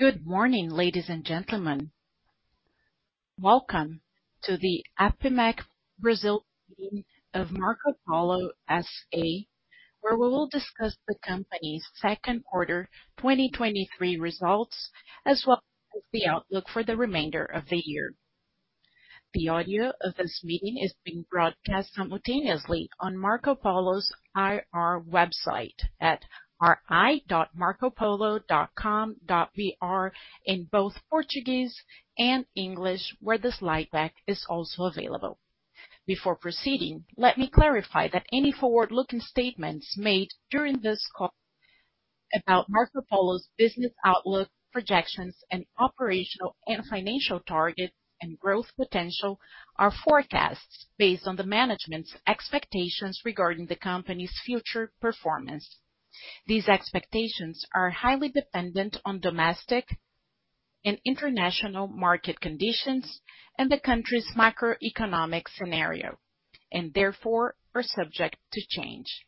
Good morning, ladies and gentlemen. Welcome to the APIMEC Brasil meeting of Marcopolo S.A., where we will discuss the company's second quarter 2023 results, as well as the outlook for the remainder of the year. The audio of this meeting is being broadcast simultaneously on Marcopolo's IR website at ri.marcopolo.com.br, in both Portuguese and English, where the slide deck is also available. Before proceeding, let me clarify that any forward-looking statements made during this call about Marcopolo's business outlook, projections, and operational and financial targets and growth potential are forecasts based on the management's expectations regarding the company's future performance. These expectations are highly dependent on domestic and international market conditions and the country's macroeconomic scenario, and therefore are subject to change.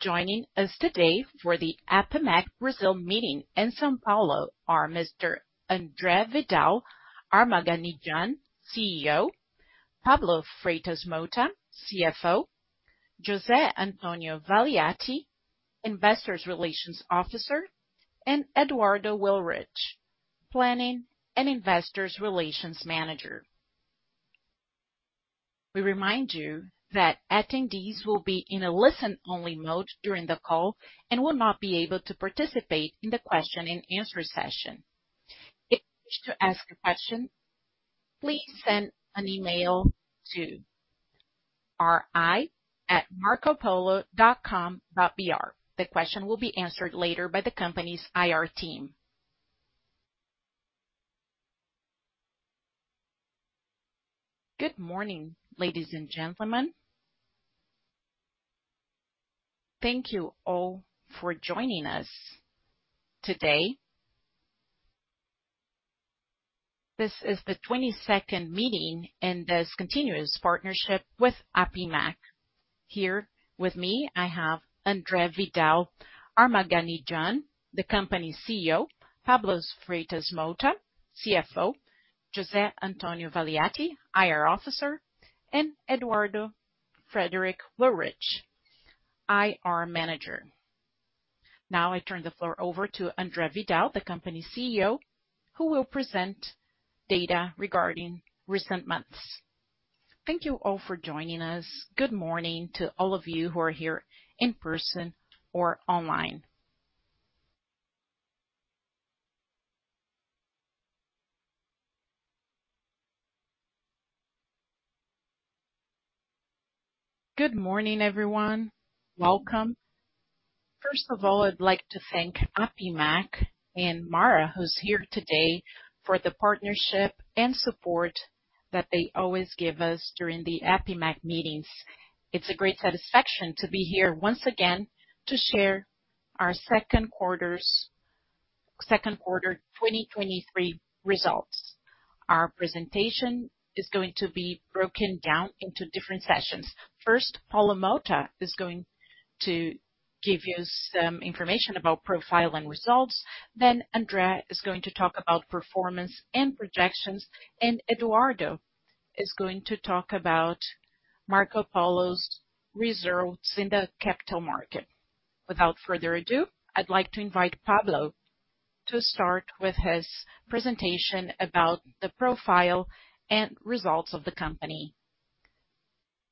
Joining us today for the APIMEC Brasil meeting in São Paulo are Mr. André Vidal Armaganijan, CEO, Pablo Freitas Mota, CFO, José Antonio Valiati, Investor Relations Officer, and Eduardo Willrich, Planning and Investor Relations Manager. We remind you that attendees will be in a listen-only mode during the call and will not be able to participate in the question and answer session. If you wish to ask a question, please send an email to ri@marcopolo.com.br. The question will be answered later by the company's IR team. Good morning, ladies and gentlemen. Thank you all for joining us today. This is the 22nd meeting in this continuous partnership with APIMEC. Here with me, I have André Vidal Armaganijan, the company's CEO, Pablo Freitas Motta, CFO, José Antonio Valiati, IR Officer, and Eduardo Frederico Willrich, IR Manager. Now, I turn the floor over to André Vidal, the company's CEO, who will present data regarding recent months. Thank you all for joining us. Good morning to all of you who are here in person or online. Good morning, everyone. Welcome. First of all, I'd like to thank APIMEC and Mara, who's here today, for the partnership and support that they always give us during the APIMEC meetings. It's a great satisfaction to be here once again to share our second quarter 2023 results. Our presentation is going to be broken down into different sessions. First, Pablo Mota is going to give you some information about profile and results, then André is going to talk about performance and projections, and Eduardo is to talk about Marcopolo's results in the capital market. Without further ado, I'd like to invite Pablo to start with his presentation about the profile and results of the company.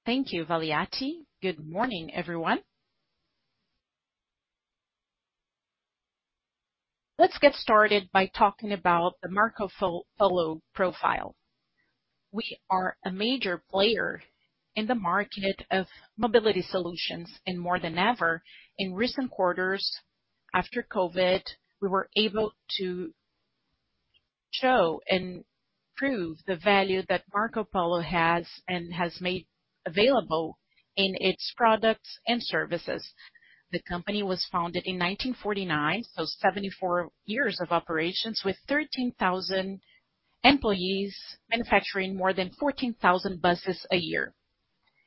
Thank you, Valiati. Good morning, everyone. Let's get started by talking about the Marcopolo profile. We are a major player in the market of mobility solutions. More than ever, in recent quarters, after COVID, we were able to show and prove the value that Marcopolo has and has made available in its products and services. The company was founded in 1949, so 74 years of operations, with 13,000 employees manufacturing more than 14,000 buses a year.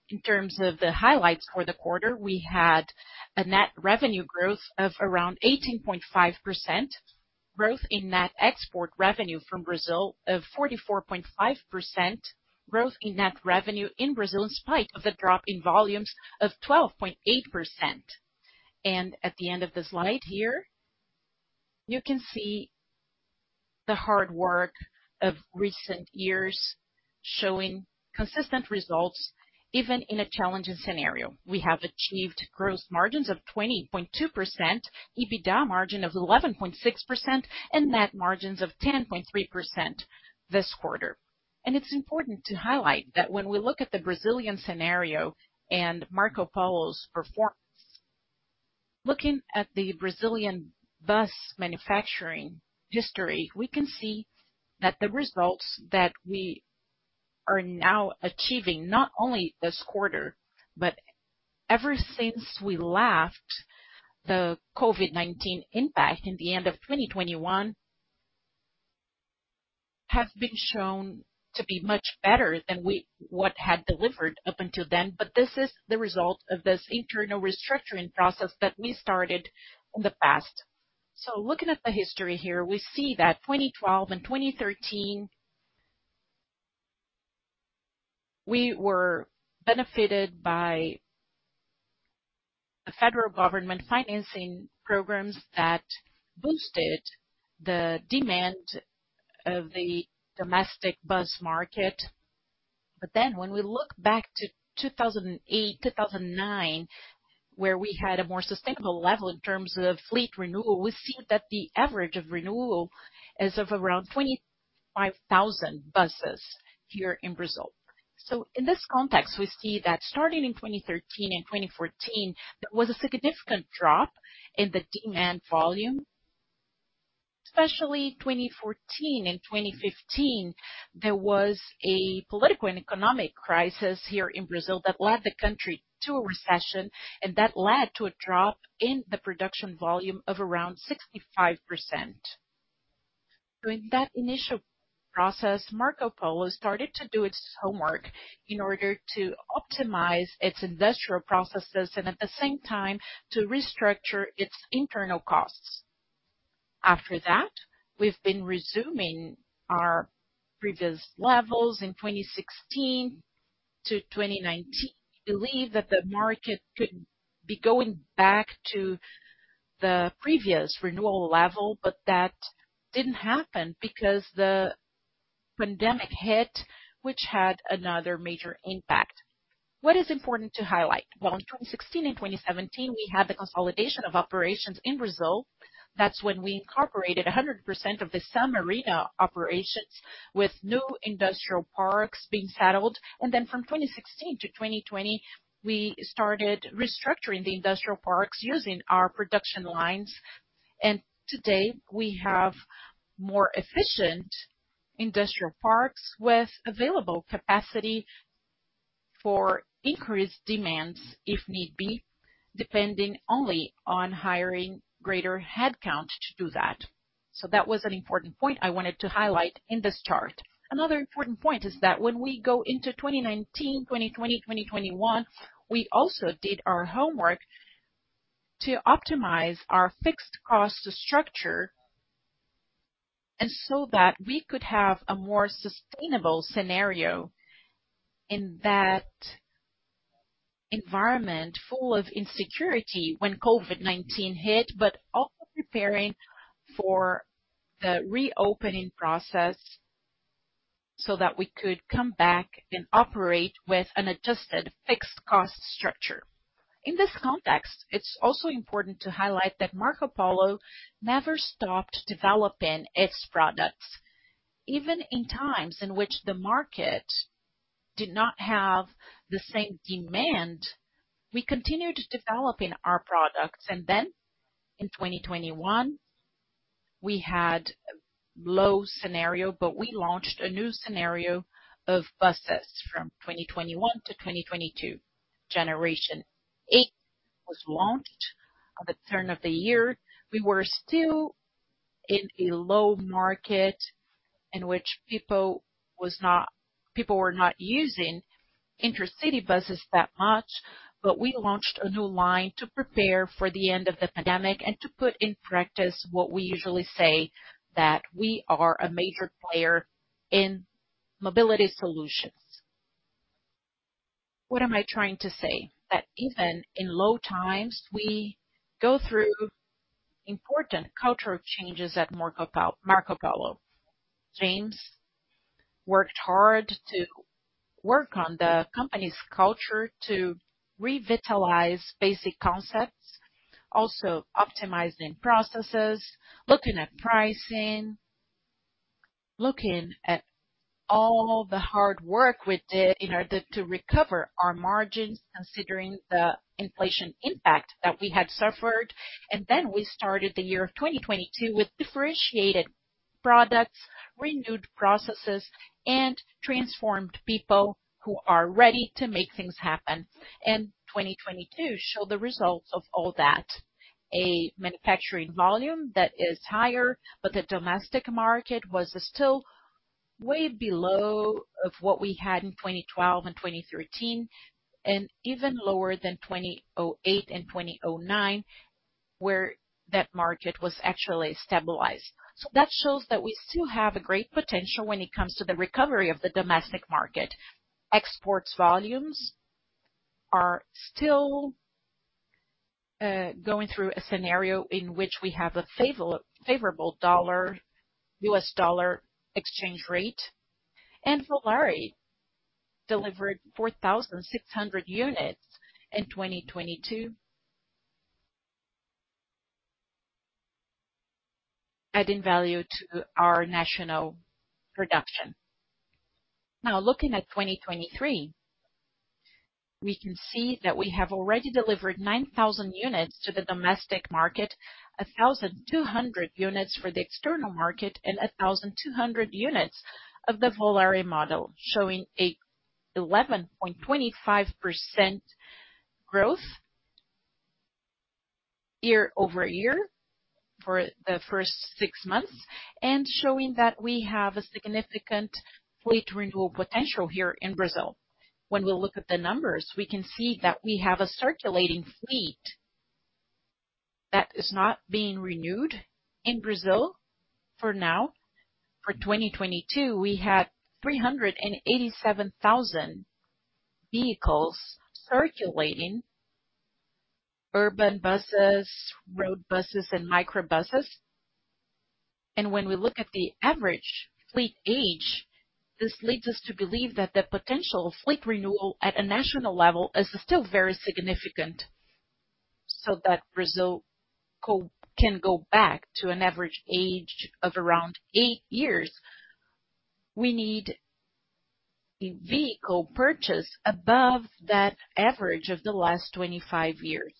In terms of the highlights for the quarter, we had a net revenue growth of around 18.5%, growth in net export revenue from Brazil of 44.5%, growth in net revenue in Brazil, in spite of the drop in volumes of 12.8%. At the end of the slide here, you can see the hard work of recent years showing consistent results, even in a challenging scenario. We have achieved gross margins of 20.2%, EBITDA margin of 11.6%, and net margins of 10.3% this quarter. It's important to highlight that when we look at the Brazilian scenario and Marcopolo's performance, looking at the Brazilian bus manufacturing history, we can see that the results that we are now achieving, not only this quarter, but ever since we left the COVID-19 impact in the end of 2021, has been shown to be much better than what had delivered up until then, but this is the result of this internal restructuring process that we started in the past. Looking at the history here, we see that 2012 and 2013, we were benefited by the federal government financing programs that boosted the demand of the domestic bus market. Then when we look back to 2008, 2009, where we had a more sustainable level in terms of fleet renewal, we see that the average of renewal is of around 25,000 buses here in Brazil. In this context, we see that starting in 2013 and 2014, there was a significant drop in the demand volume, especially 2014 and 2015, there was a political and economic crisis here in Brazil that led the country to a recession, and that led to a drop in the production volume of around 65%. During that initial process, Marcopolo started to do its homework in order to optimize its industrial processes and at the same time to restructure its internal costs. After that, we've been resuming our previous levels in 2016-2019. We believe that the market could be going back to the previous renewal level. That didn't happen because the pandemic hit, which had another major impact. What is important to highlight? In 2016 and 2017, we had the consolidation of operations in Brazil. That's when we incorporated 100% of the Sanremo operations, with new industrial parks being settled. From 2016 to 2020, we started restructuring the industrial parks using our production lines. Today, we have more efficient industrial parks with available capacity for increased demands if need be, depending only on hiring greater headcount to do that. That was an important point I wanted to highlight in this chart. Another important point is that when we go into 2019, 2020, 2021, we also did our homework to optimize our fixed cost structure, and so that we could have a more sustainable scenario in that environment full of insecurity when COVID-19 hit, but also preparing for the reopening process so that we could come back and operate with an adjusted fixed cost structure. In this context, it's also important to highlight that Marcopolo never stopped developing its products. Even in times in which the market did not have the same demand, we continued developing our products, and then in 2021, we had a low scenario, but we launched a new scenario of buses from 2021 to 2022. Generation eight was launched at the turn of the year. We were still in a low market in which people were not using intercity buses that much. We launched a new line to prepare for the end of the pandemic and to put in practice what we usually say, that we are a major player in mobility solutions. What am I trying to say? That even in low times, we go through important cultural changes at Marcopolo. James worked hard to work on the company's culture to revitalize basic concepts, also optimizing processes, looking at pricing, looking at all the hard work we did in order to recover our margins, considering the inflation impact that we had suffered. Then we started the year of 2022 with differentiated products, renewed processes, and transformed people who are ready to make things happen. 2022 showed the results of all that. The domestic market was still way below of what we had in 2012 and 2013, and even lower than 2008 and 2009, where that market was actually stabilized. That shows that we still have a great potential when it comes to the recovery of the domestic market. Exports volumes are still going through a scenario in which we have a favorable US dollar exchange rate. Volare delivered 4,600 units in 2022, adding value to our national production. Looking at 2023, we can see that we have already delivered 9,000 units to the domestic market, 1,200 units for the external market, and 1,200 units of the Volare model, showing a 11.25% growth. Year-over-year, for the first six months, showing that we have a significant fleet renewal potential here in Brazil. When we look at the numbers, we can see that we have a circulating fleet that is not being renewed in Brazil for now. For 2022, we had 387,000 vehicles circulating, urban buses, road buses and microbuses. When we look at the average fleet age, this leads us to believe that the potential fleet renewal at a national level is still very significant, so that Brazil can go back to an average age of around eight years. We need a vehicle purchase above that average of the last 25 years.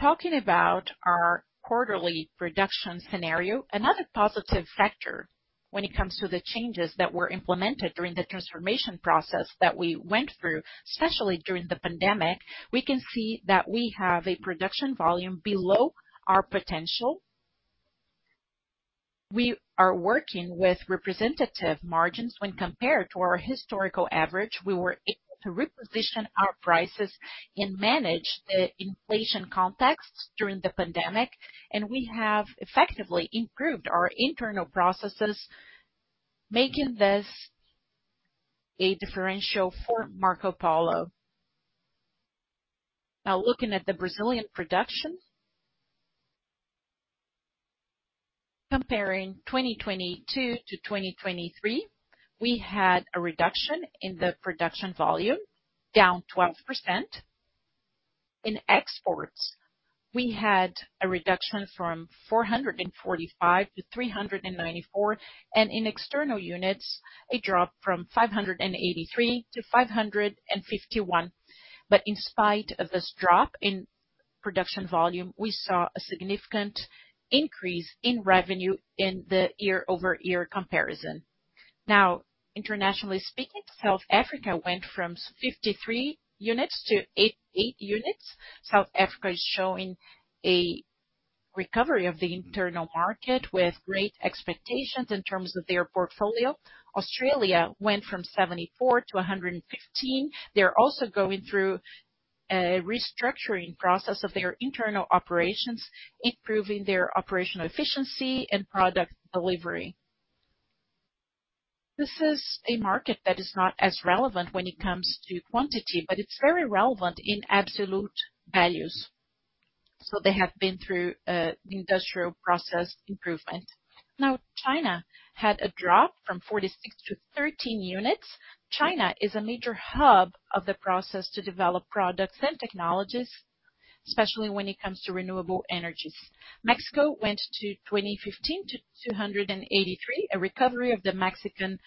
Talking about our quarterly production scenario, another positive factor when it comes to the changes that were implemented during the transformation process that we went through, especially during the pandemic, we can see that we have a production volume below our potential. We are working with representative margins when compared to our historical average. We were able to reposition our prices and manage the inflation context during the pandemic, we have effectively improved our internal processes, making this a differential for Marcopolo. Looking at the Brazilian production. Comparing 2022 to 2023, we had a reduction in the production volume, down 12%. In exports, we had a reduction from 445 to 394, in external units, a drop from 583 to 551. In spite of this drop in production volume, we saw a significant increase in revenue in the year-over-year comparison. Now, internationally speaking, South Africa went from 53 units to 88 units. South Africa is showing a recovery of the internal market with great expectations in terms of their portfolio. Australia went from 74 to 115. They're also going through a restructuring process of their internal operations, improving their operational efficiency and product delivery. This is a market that is not as relevant when it comes to quantity, but it's very relevant in absolute values, so they have been through the industrial process improvement. Now, China had a drop from 46 to 13 units. China is a major hub of the process to develop products and technologies, especially when it comes to renewable energies. Mexico went to 2015 to 283. A recovery of the Mexican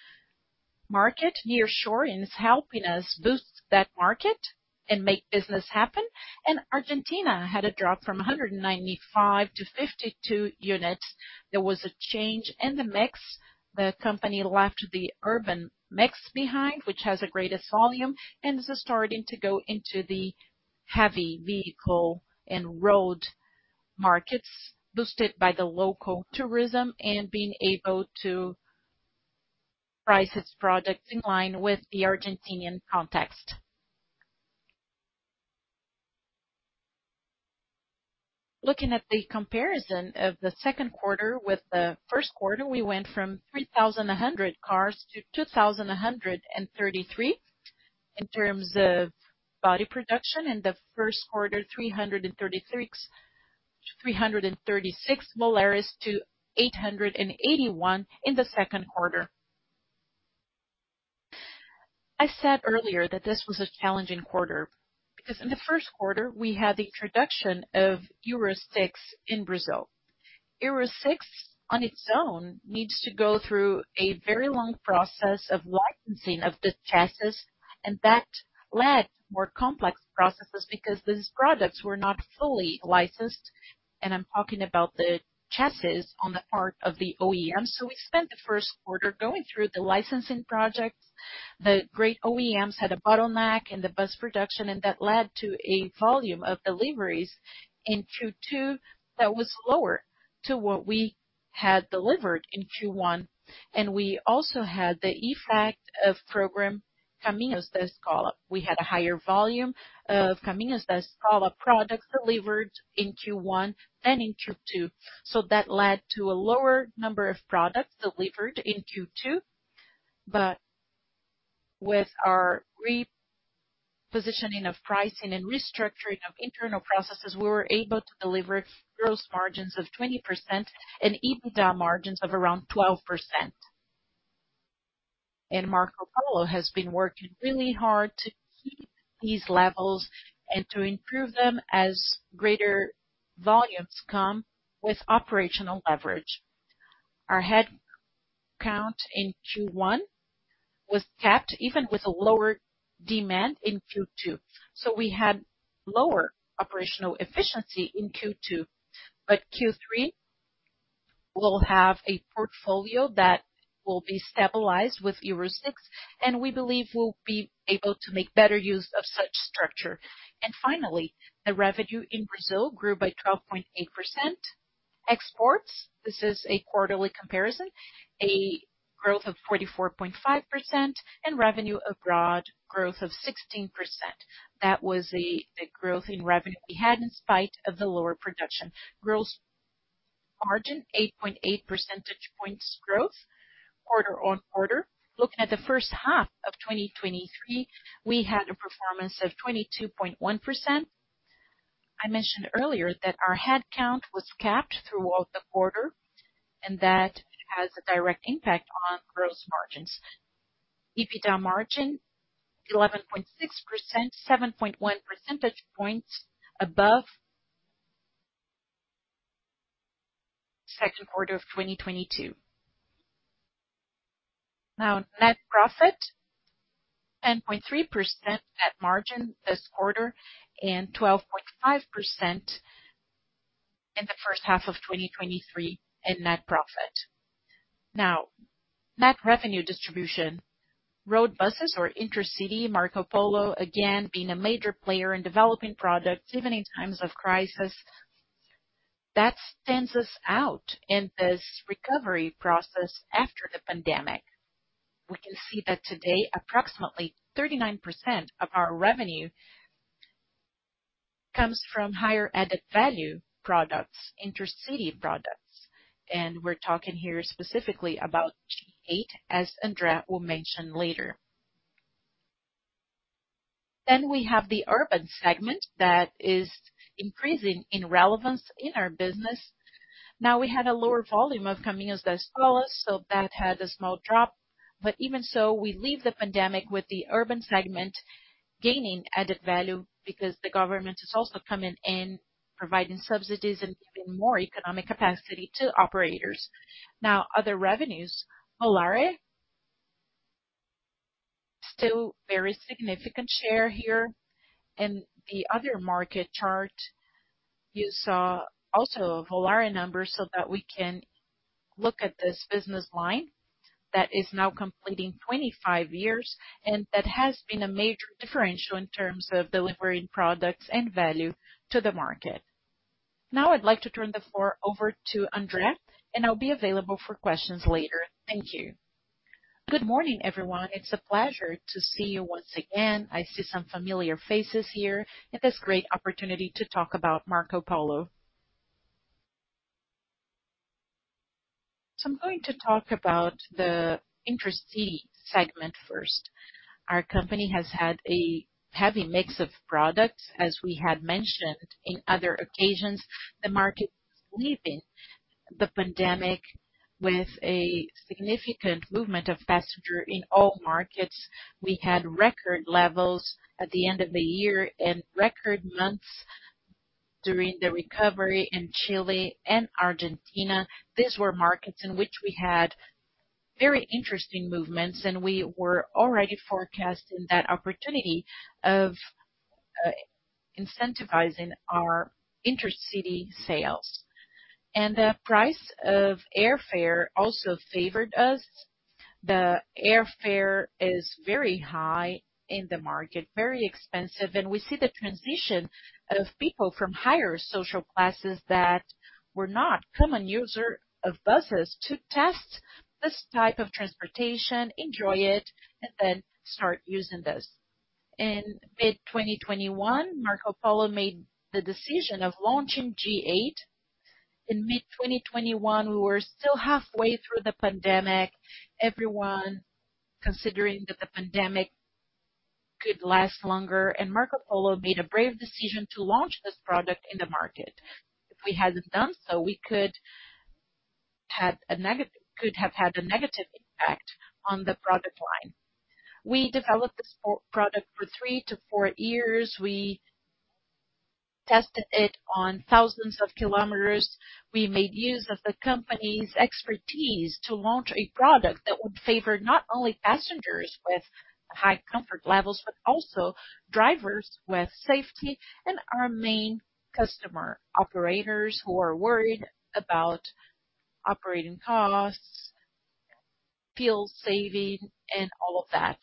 market nearshore, and it's helping us boost that market and make business happen. Argentina had a drop from 195 to 52 units. There was a change in the mix. The company left the urban mix behind, which has the greatest volume, and is starting to go into the heavy vehicle and road markets, boosted by the local tourism and being able to price its products in line with the Argentinian context. Looking at the comparison of the second quarter with the first quarter, we went from 3,100 cars to 2,133. In terms of body production in the first quarter, 336 Volares to 881 in the second quarter. I said earlier that this was a challenging quarter, because in the first quarter we had the introduction of Euro 6 in Brazil. Euro 6, on its own, needs to go through a very long process of licensing of the chassis, and that led more complex processes because these products were not fully licensed, and I'm talking about the chassis on the part of the OEM. We spent the first quarter going through the licensing projects. The great OEMs had a bottleneck in the bus production, and that led to a volume of deliveries in Q2 that was lower to what we had delivered in Q1. We also had the effect of program Caminho da Escola. We had a higher volume of Caminho da Escola products delivered in Q1 and in Q2, so that led to a lower number of products delivered in Q2. With our repositioning of pricing and restructuring of internal processes, we were able to deliver gross margins of 20% and EBITDA margins of around 12%. Marcopolo has been working really hard to keep these levels and to improve them as greater volumes come with operational leverage. Our headcount in Q1 was capped, even with a lower demand in Q2, so we had lower operational efficiency in Q2. Q3, we'll have a portfolio that will be stabilized with Euro 6, and we believe we'll be able to make better use of such structure. Finally, the revenue in Brazil grew by 12.8%. Exports, this is a quarterly comparison, a growth of 44.5%, and revenue abroad, growth of 16%. That was the growth in revenue we had in spite of the lower production. Gross margin, 8.8 percentage points growth, quarter-over-quarter. Looking at the first half of 2023, we had a performance of 22.1%. I mentioned earlier that our headcount was capped throughout the quarter. That has a direct impact on gross margins. EBITDA margin, 11.6%, 7.1 percentage points above second quarter of 2022. Net profit, 10.3% net margin this quarter, and 12.5% in the first half of 2023 in net profit. Net revenue distribution. Road buses or intra-city Marcopolo, again, being a major player in developing products, even in times of crisis, that stands us out in this recovery process after the pandemic. We can see that today, approximately 39% of our revenue comes from higher added value products, intercity products. We're talking here specifically about G8, as André will mention later. We have the urban segment that is increasing in relevance in our business. We had a lower volume of Caminho da Escola. That had a small drop. Even so, we leave the pandemic with the urban segment gaining added value because the government is also coming in, providing subsidies and giving more economic capacity to operators. Other revenues, Volare. Still very significant share here. In the other market chart, you saw also Volare numbers. That we can look at this business line that is now completing 25 years. That has been a major differential in terms of delivering products and value to the market. Now, I'd like to turn the floor over to André, and I'll be available for questions later. Thank you. Good morning, everyone. It's a pleasure to see you once again. I see some familiar faces here, and this great opportunity to talk about Marcopolo. I'm going to talk about the intra-city segment first. Our company has had a heavy mix of products, as we had mentioned in other occasions. The market leaving the pandemic with a significant movement of passenger in all markets. We had record levels at the end of the year and record months during the recovery in Chile and Argentina. These were markets in which we had very interesting movements, and we were already forecasting that opportunity of incentivizing our intercity sales. The price of airfare also favored us. The airfare is very high in the market, very expensive, and we see the transition of people from higher social classes that were not common user of buses to test this type of transportation, enjoy it, and then start using this. In mid-2021, Marcopolo made the decision of launching G8. In mid-2021, we were still halfway through the pandemic. Everyone considering that the pandemic could last longer, and Marcopolo made a brave decision to launch this product in the market. If we hadn't done so, we could had a could have had a negative impact on the product line. We developed this product for three to four years. We tested it on thousands of kilometers. We made use of the company's expertise to launch a product that would favor not only passengers with high comfort levels, but also drivers with safety, and our main customer, operators who are worried about operating costs, fuel saving, and all of that.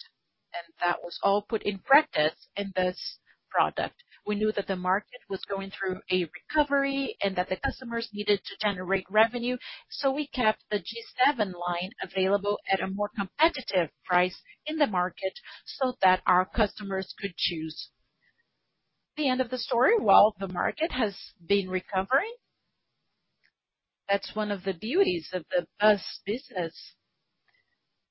That was all put in practice in this product. We knew that the market was going through a recovery and that the customers needed to generate revenue, so we kept the G7 line available at a more competitive price in the market so that our customers could choose. The end of the story, while the market has been recovering, that's one of the beauties of the bus business.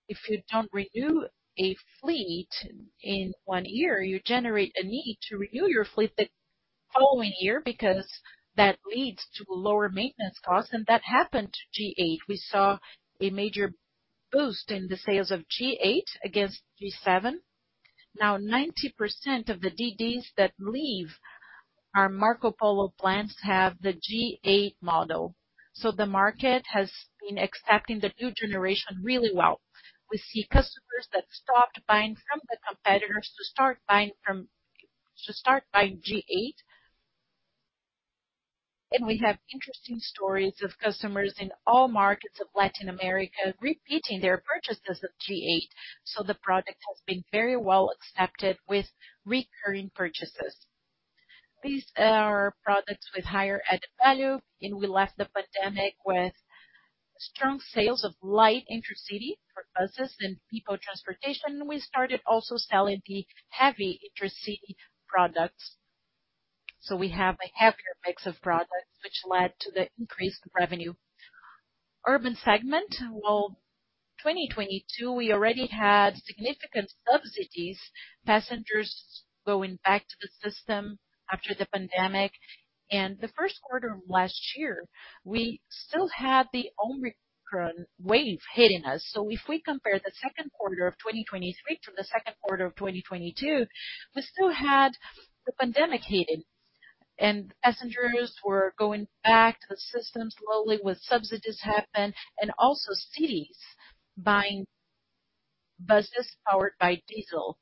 If you don't renew a fleet in one year, you generate a need to renew your fleet the following year, because that leads to lower maintenance costs, and that happened to G8. We saw a major boost in the sales of G8 against G7. Now, 90% of the DDs that leave our Marcopolo plants have the G8 model. The market has been accepting the new generation really well. We see customers that stopped buying from the competitors to start buying so start by G8, and we have interesting stories of customers in all markets of Latin America repeating their purchases of G8. The product has been very well accepted with recurring purchases. These are products with higher added value, and we left the pandemic with strong sales of light intracity for buses and people transportation. We started also selling the heavy intracity products. We have a heavier mix of products, which led to the increase of revenue. Urban segment, well, 2022, we already had significant subsidies, passengers going back to the system after the pandemic, and the first quarter of last year, we still had the Omicron wave hitting us. If we compare the second quarter of 2023 to the second quarter of 2022, we still had the pandemic hitting, and passengers were going back to the system slowly, with subsidies happened and also cities buying buses powered by diesel.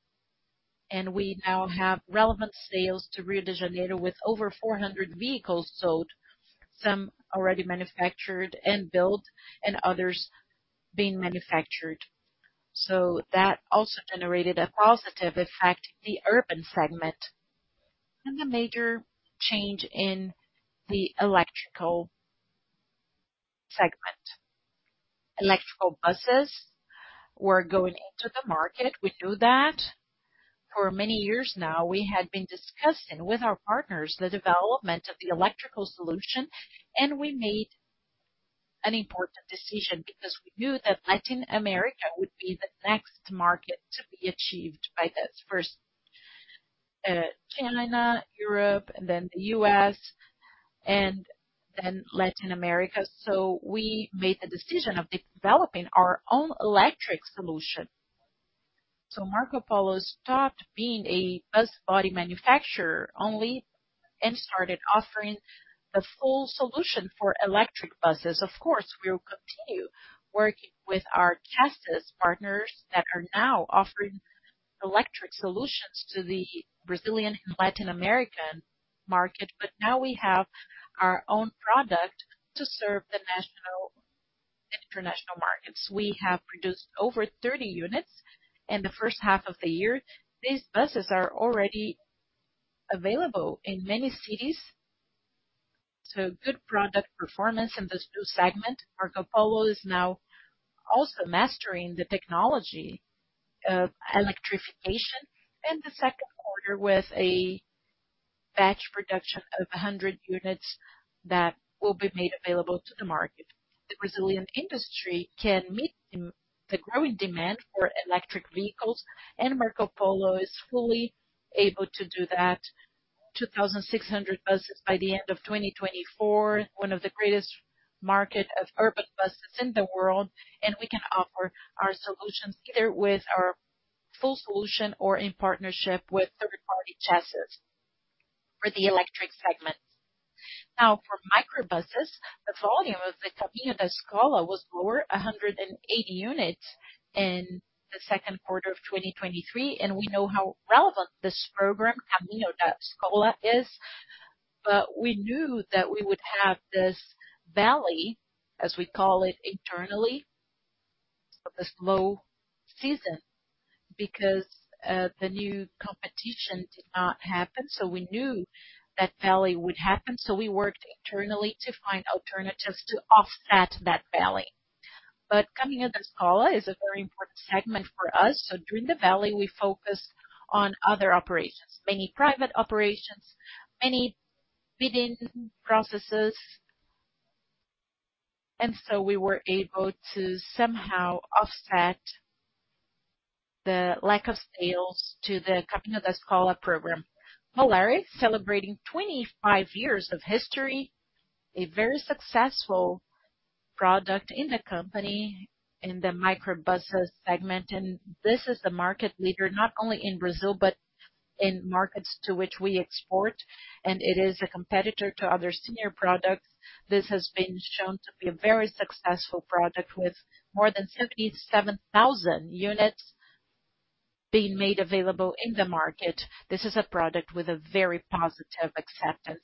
We now have relevant sales to Rio de Janeiro, with over 400 vehicles sold, some already manufactured and built, and others being manufactured. That also generated a positive effect, the urban segment, and the major change in the electrical segment. Electrical buses were going into the market. We knew that. For many years now, we had been discussing with our partners the development of the electrical solution, and we made an important decision because we knew that Latin America would be the next market to be achieved by this. First, China, Europe, then the U.S., and then Latin America. We made the decision of developing our own electric solution. Marcopolo stopped being a bus body manufacturer only and started offering the full solution for electric buses. Of course, we will continue working with our chassis partners that are now offering electric solutions to the Brazilian and Latin American market, but now we have our own product to serve the national and international markets. We have produced over 30 units in the first half of the year. These buses are already available in many cities, so good product performance in this new segment. Marcopolo is now also mastering the technology of electrification, and the second quarter, with a batch production of 100 units that will be made available to the market. The Brazilian industry can meet the growing demand for electric vehicles, and Marcopolo is fully able to do that. 2,600 buses by the end of 2024, one of the greatest market of urban buses in the world, and we can offer our solutions either with our full solution or in partnership with third-party chassis for the electric segment. Now, for microbuses, the volume of the Caminho da Escola was lower, 180 units in the second quarter of 2023, and we know how relevant this program, Caminho da Escola, is. We knew that we would have this valley, as we call it internally, of the slow season, because the new competition did not happen, so we knew that valley would happen, so we worked internally to find alternatives to offset that valley. Caminho da Escola is a very important segment for us, so during the valley, we focused on other operations, many private operations, many bidding processes. So we were able to somehow offset the lack of sales to the Caminho da Escola program. Volare, celebrating 25 years of history, a very successful product in the company, in the microbus segment. This is the market leader, not only in Brazil, but in markets to which we export, and it is a competitor to other senior products. This has been shown to be a very successful product, with more than 77,000 units being made available in the market. This is a product with a very positive acceptance.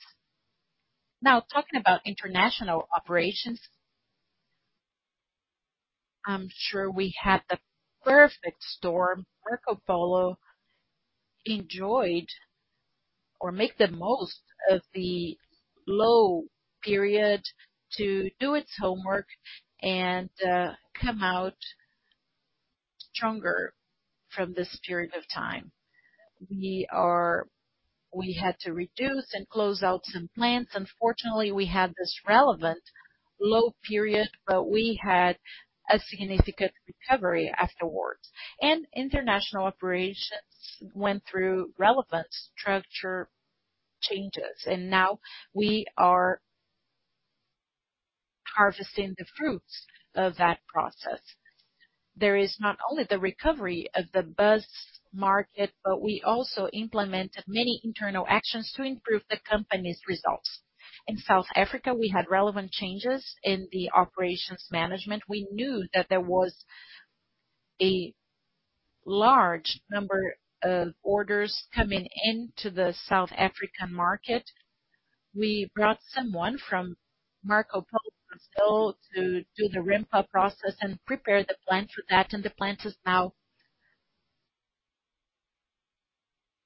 Now, talking about international operations, I'm sure we had the perfect storm. Marcopolo enjoyed or make the most of the low period to do its homework and come out stronger from this period of time. We had to reduce and close out some plants. Unfortunately, we had this relevant low period, but we had a significant recovery afterwards. International operations went through relevant structure changes, and now we are harvesting the fruits of that process. There is not only the recovery of the bus market, but we also implemented many internal actions to improve the company's results. In South Africa, we had relevant changes in the operations management. We knew that there was a large number of orders coming into the South African market. We brought someone from Marcopolo, Brazil, to do the RMPA process and prepare the plant for that. The plant is now,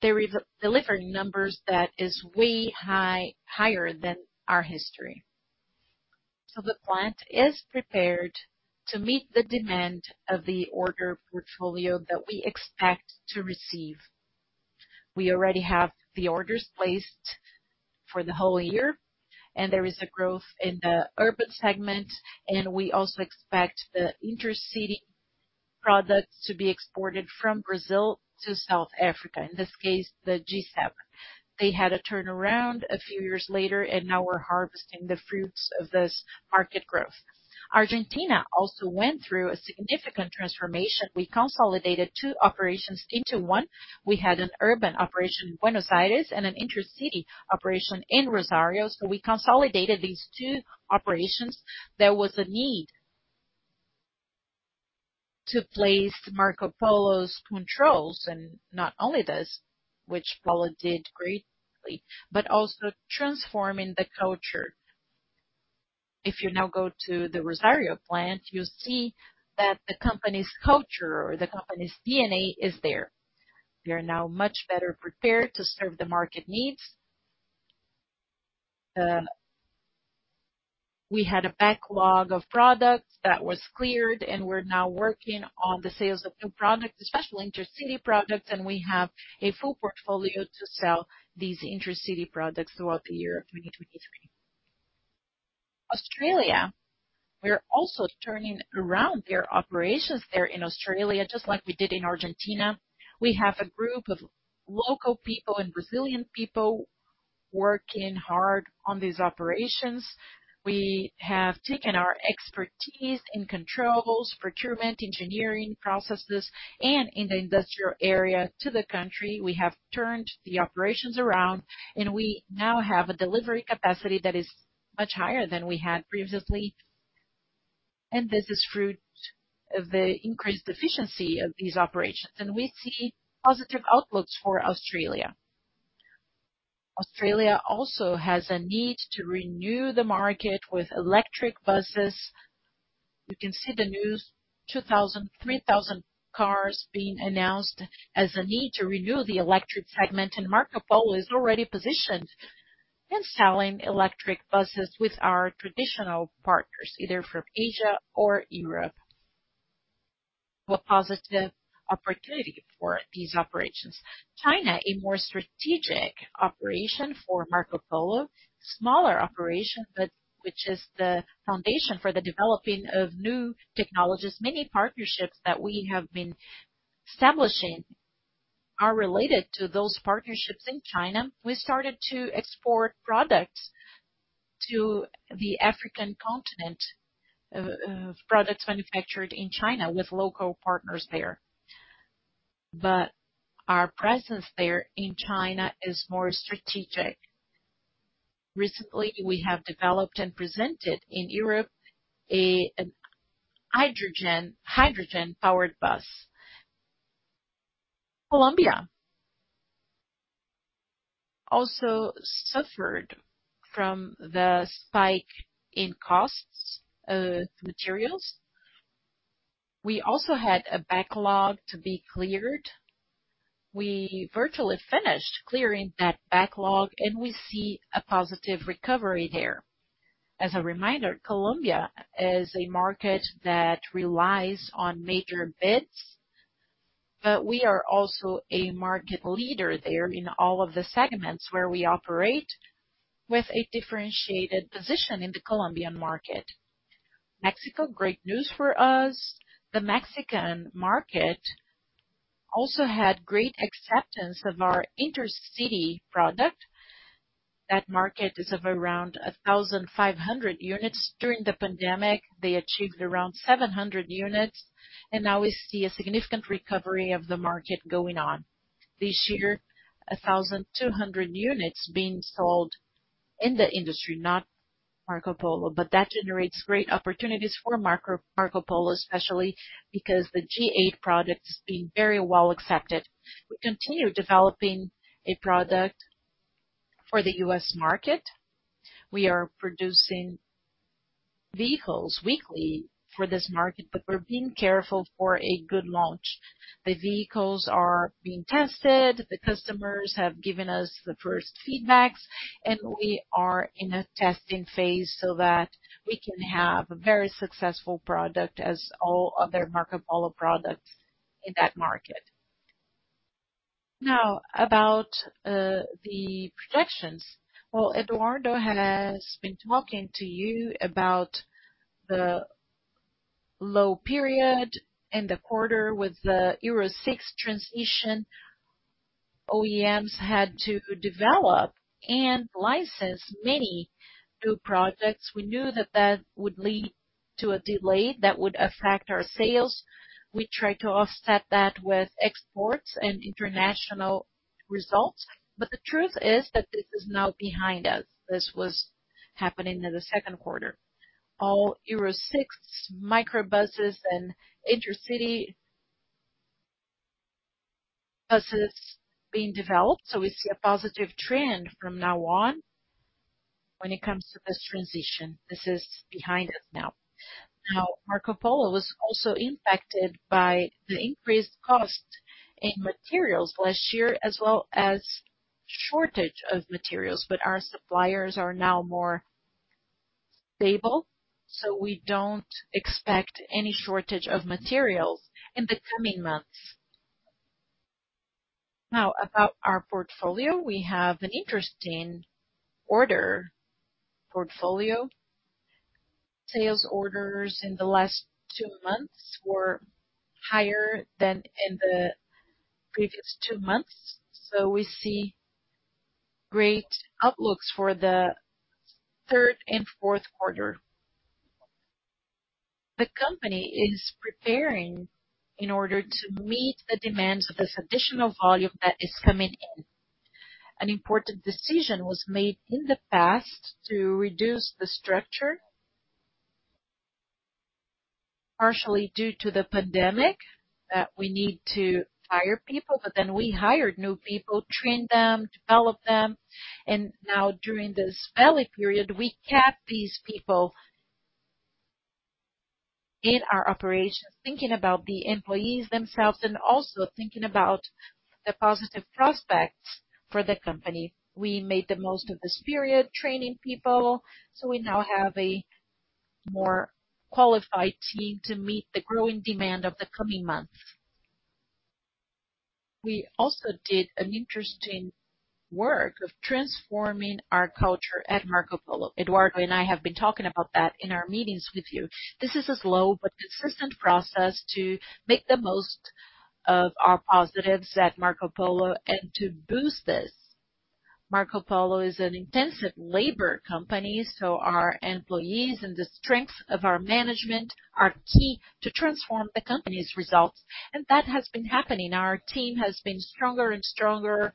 they're re-delivering numbers that is way higher than our history. The plant is prepared to meet the demand of the order portfolio that we expect to receive. We already have the orders placed for the whole year. There is a growth in the urban segment. We also expect the intercity products to be exported from Brazil to South Africa, in this case, the G7. They had a turnaround a few years later. Now we're harvesting the fruits of this market growth. Argentina also went through a significant transformation. We consolidated two operations into one. We had an urban operation in Buenos Aires and an intercity operation in Rosario. We consolidated these two operations. There was a need to place Marcopolo's controls, and not only this, which Marcopolo did greatly, but also transforming the culture. If you now go to the Rosario plant, you'll see that the company's culture or the company's DNA is there. We are now much better prepared to serve the market needs. We had a backlog of products that was cleared, and we're now working on the sales of new products, especially intercity products, and we have a full portfolio to sell these intercity products throughout the year of 2023. Australia, we are also turning around their operations there in Australia, just like we did in Argentina. We have a group of local people and Brazilian people working hard on these operations. We have taken our expertise in controls, procurement, engineering, processes, and in the industrial area to the country. We have turned the operations around, and we now have a delivery capacity that is much higher than we had previously. This is fruit of the increased efficiency of these operations, and we see positive outlooks for Australia. Australia also has a need to renew the market with electric buses. You can see the new 2,000, 3,000 cars being announced as a need to renew the electric segment, and Marcopolo is already positioned in selling electric buses with our traditional partners, either from Asia or Europe. A positive opportunity for these operations. China, a more strategic operation for Marcopolo, smaller operation, but which is the foundation for the developing of new technologies. Many partnerships that we have been establishing are related to those partnerships in China. We started to export products to the African continent, products manufactured in China with local partners there. Our presence there in China is more strategic. Recently, we have developed and presented in Europe a hydrogen-powered bus. Colombia also suffered from the spike in costs of materials. We also had a backlog to be cleared. We virtually finished clearing that backlog, and we see a positive recovery there. As a reminder, Colombia is a market that relies on major bids, but we are also a market leader there in all of the segments where we operate, with a differentiated position in the Colombian market. Mexico, great news for us. The Mexican market also had great acceptance of our intercity product. That market is of around 1,500 units. During the pandemic, they achieved around 700 units, and now we see a significant recovery of the market going on. This year, 1,200 units being sold in the industry, not Marcopolo, but that generates great opportunities for Marco- Marcopolo, especially because the G8 product is being very well accepted. We continue developing a product for the U.S. market. We are producing vehicles weekly for this market, but we're being careful for a good launch. The vehicles are being tested, the customers have given us the first feedbacks, and we are in a testing phase so that we can have a very successful product as all other Marcopolo products in that market. Now, about the projections. Well, Eduardo has been talking to you about the low period in the quarter with the Euro VI transition. OEMs had to develop and license many new products. We knew that that would lead to a delay that would affect our sales. We tried to offset that with exports and international results. The truth is that this is now behind us. This was happening in the second quarter. All Euro Six microbus and intercity buses being developed, so we see a positive trend from now on, when it comes to this transition. This is behind us now. Marcopolo was also impacted by the increased cost in materials last year, as well as shortage of materials, but our suppliers are now more stable, so we don't expect any shortage of materials in the coming months. About our portfolio, we have an interesting order portfolio. Sales orders in the last two months were higher than in the previous two months, so we see great outlooks for the third and fourth quarter. The company is preparing in order to meet the demands of this additional volume that is coming in. An important decision was made in the past to reduce the structure, partially due to the pandemic, that we need to hire people, but then we hired new people, trained them, developed them, and now during this valley period, we kept these people in our operations, thinking about the employees themselves and also thinking about the positive prospects for the company. We made the most of this period, training people, so we now have a more qualified team to meet the growing demand of the coming months. We also did an interesting work of transforming our culture at Marcopolo. Eduardo and I have been talking about that in our meetings with you. This is a slow but consistent process to make the most of our positives at Marcopolo and to boost this. Marcopolo is an intensive labor company, our employees and the strength of our management are key to transform the company's results, and that has been happening. Our team has been stronger and stronger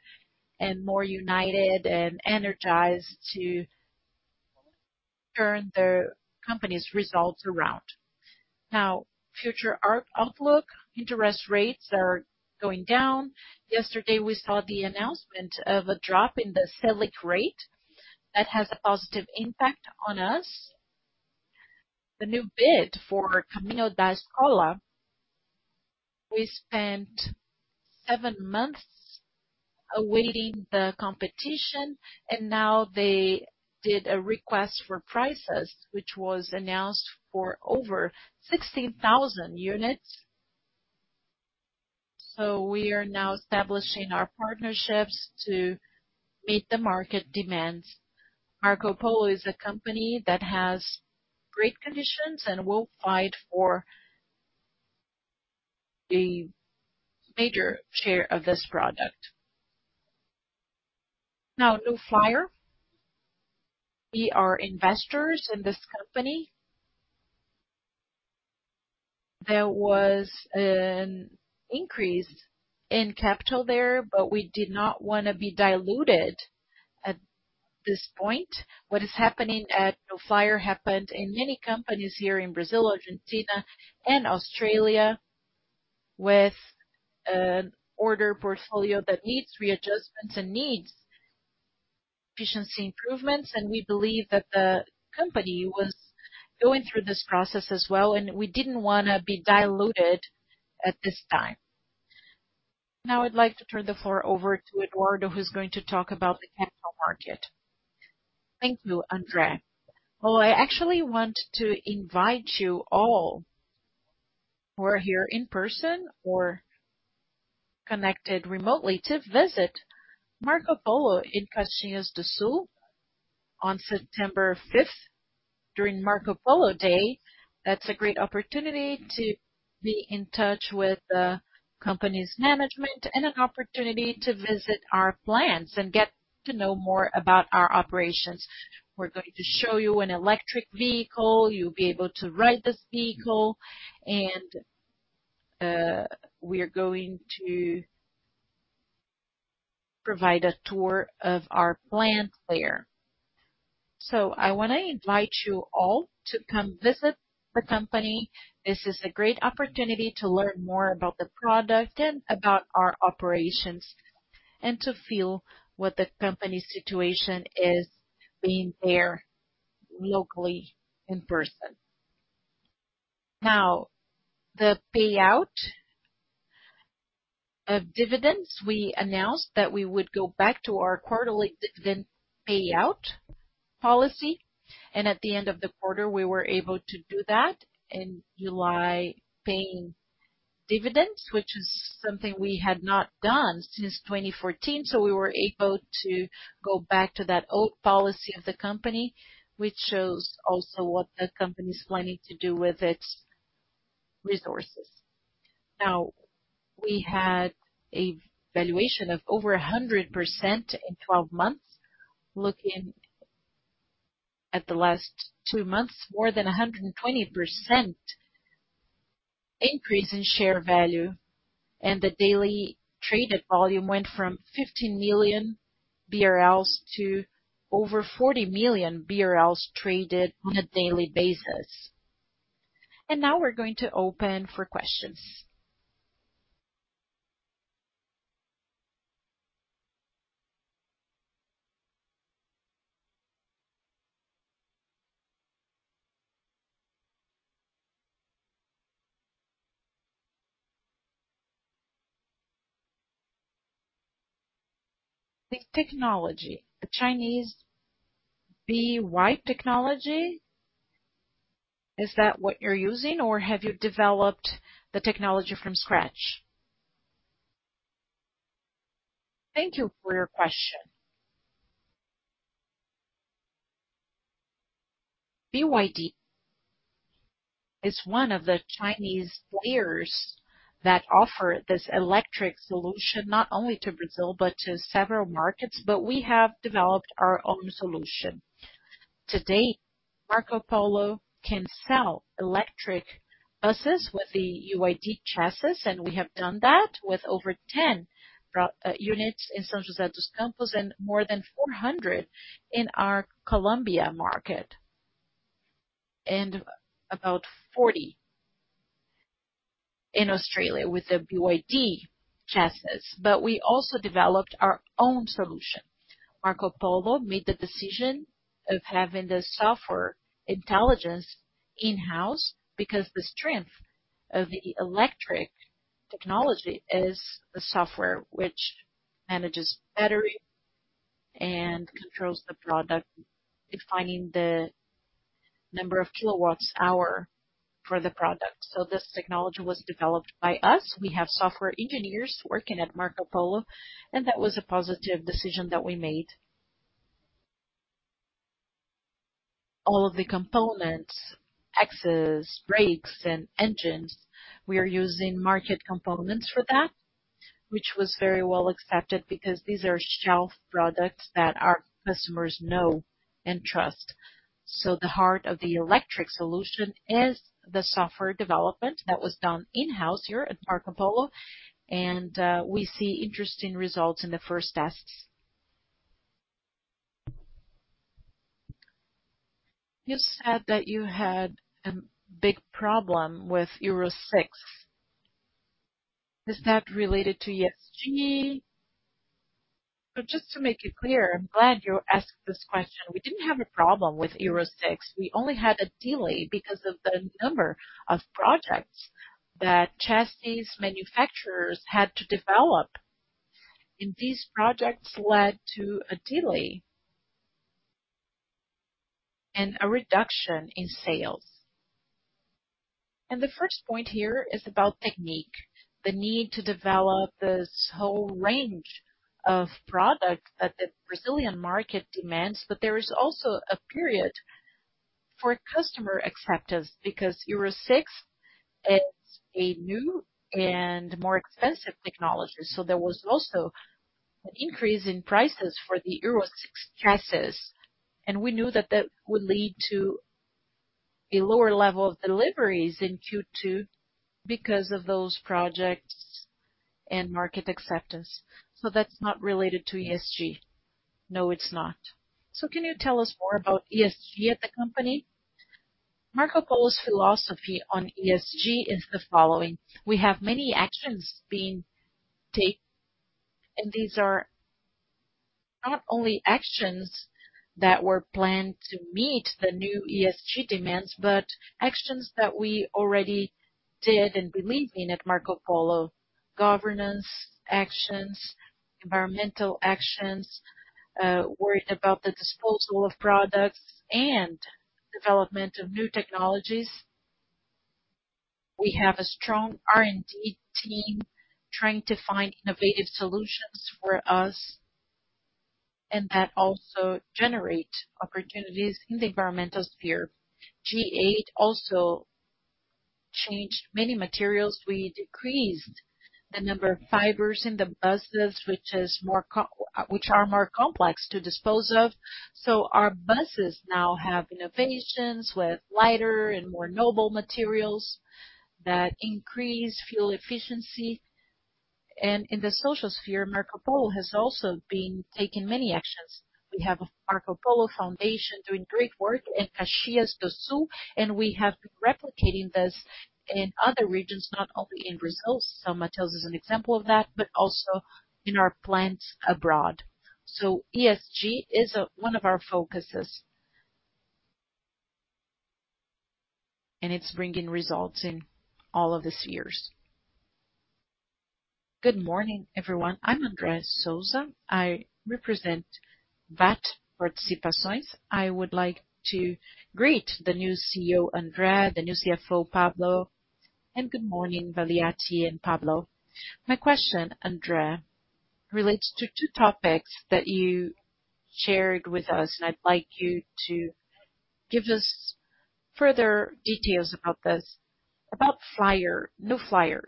and more united and energized to turn the company's results around. Future our outlook. Interest rates are going down. Yesterday, we saw the announcement of a drop in the Selic rate. That has a positive impact on us. The new bid for Caminho da Escola, we spent seven months awaiting the competition, and now they did a request for prices, which was announced for over 16,000 units. We are now establishing our partnerships to meet the market demands. Marcopolo is a company that has great conditions and will fight for the major share of this product. New Flyer. We are investors in this company. There was an increase in capital there, but we did not want to be diluted at this point. What is happening at New Flyer happened in many companies here in Brazil, Argentina, and Australia, with an order portfolio that needs readjustments and needs efficiency improvements. We believe that the company was going through this process as well, and we didn't want to be diluted at this time. Now, I'd like to turn the floor over to Eduardo, who's going to talk about the capital market. Thank you, André. Well, I actually want to invite you all, who are here in person or connected remotely, to visit Marcopolo in Caxias do Sul on September 5th, during Marcopolo Day. That's a great opportunity to be in touch with the company's management and an opportunity to visit our plants and get to know more about our operations. We're going to show you an electric vehicle. You'll be able to ride this vehicle, and we are going to provide a tour of our plant there. I wanna invite you all to come visit the company. This is a great opportunity to learn more about the product and about our operations, and to feel what the company's situation is, being there locally, in person. Now, the payout of dividends. We announced that we would go back to our quarterly dividend payout policy, and at the end of the quarter, we were able to do that in July, paying dividends, which is something we had not done since 2014. We were able to go back to that old policy of the company, which shows also what the company is planning to do with its resources. Now, we had a valuation of over 100% in 12 months. Looking at the last two months, more than 120% increase in share value, and the daily traded volume went from 50 million BRL to over 40 million BRL traded on a daily basis. Now we're going to open for questions. The technology, the Chinese BYD technology, is that what you're using, or have you developed the technology from scratch? Thank you for your question. BYD is one of the Chinese players that offer this electric solution, not only to Brazil, but to several markets, but we have developed our own solution. To date, Marcopolo can sell electric buses with the BYD chassis, we have done that with over 10 units in São José dos Campos, more than 400 in our Colombia market, about 40 in Australia with the BYD chassis. We also developed our own solution. Marcopolo made the decision of having the software intelligence in-house because the strength of the electric technology is the software which manages battery and controls the product, defining the number of kilowatts hour for the product. This technology was developed by us. We have software engineers working at Marcopolo, that was a positive decision that we made. All of the components, axles, brakes, and engines, we are using market components for that, which was very well accepted because these are shelf products that our customers know and trust. The heart of the electric solution is the software development that was done in-house here at Marcopolo, and we see interesting results in the first tests. You said that you had a big problem with Euro 6. Is that related to ESG? Just to make it clear, I'm glad you asked this question. We didn't have a problem with Euro 6. We only had a delay because of the number of projects that chassis manufacturers had to develop, and these projects led to a delay and a reduction in sales. The first point here is about technique, the need to develop this whole range of products that the Brazilian market demands. There is also a period for customer acceptance, because Euro 6 is a new and more expensive technology, so there was also an increase in prices for the Euro 6 chassis, and we knew that that would lead to a lower level of deliveries in Q2 because of those projects and market acceptance. That's not related to ESG? No, it's not. Can you tell us more about ESG at the company? Marcopolo's philosophy on ESG is the following: we have many actions being taken, and these are not only actions that were planned to meet the new ESG demands, but actions that we already did and believe in at Marcopolo. Governance actions, environmental actions, worrying about the disposal of products and development of new technologies. We have a strong R&D team trying to find innovative solutions for us, and that also generate opportunities in the environmental sphere. G8 also changed many materials. We decreased the number of fibers in the buses, which are more complex to dispose of. Our buses now have innovations with lighter and more noble materials that increase fuel efficiency. In the social sphere, Marcopolo has also been taking many actions. We have a Marcopolo foundation doing great work in Caxias do Sul, and we have been replicating this in other regions, not only in Brazil. São Mateus is an example of that, but also in our plants abroad. ESG is one of our focuses, and it's bringing results in all of the spheres. Good morning, everyone. I'm Andreia Sousa. I represent Velt Partners. I would like to greet the new CEO, André, the new CFO, Pablo, good morning, Valiati and Pablo. My question, André, relates to two topics that you shared with us, and I'd like you to give us further details about this. About New Flyer, no Flyer.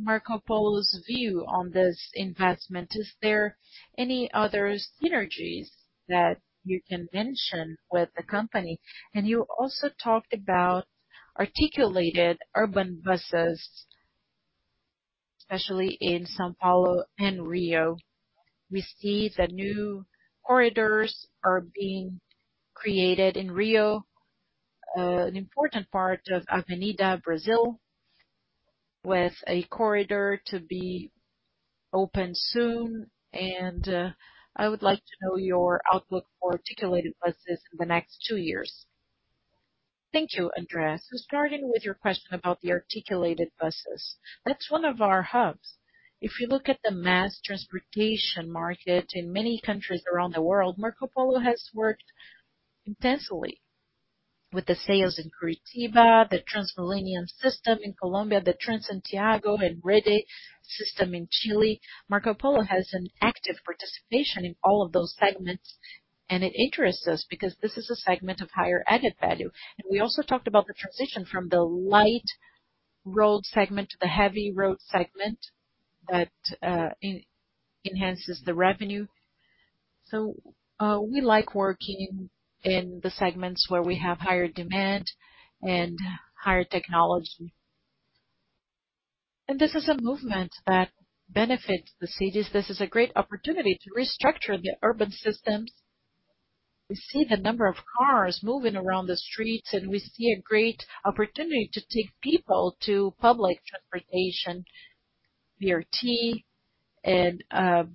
Marcopolo's view on this investment. Is there any other synergies that you can mention with the company? You also talked about articulated urban buses, especially in São Paulo and Rio. We see the new corridors are being created in Rio, an important part of Avenida Brasil, with a corridor to be open soon, and I would like to know your outlook for articulated buses in the next two years. Thank you, André. Starting with your question about the articulated buses, that's one of our hubs. If you look at the mass transportation market in many countries around the world, Marcopolo has worked intensely with the sales in Curitiba, the TransMilenio system in Colombia, the Transantiago and Red system in Chile. Marcopolo has an active participation in all of those segments, and it interests us because this is a segment of higher added value. We also talked about the transition from the light road segment to the heavy road segment that enhances the revenue. We like working in the segments where we have higher demand and higher technology. This is a movement that benefits the cities. This is a great opportunity to restructure the urban systems. We see the number of cars moving around the streets, and we see a great opportunity to take people to public transportation, BRT and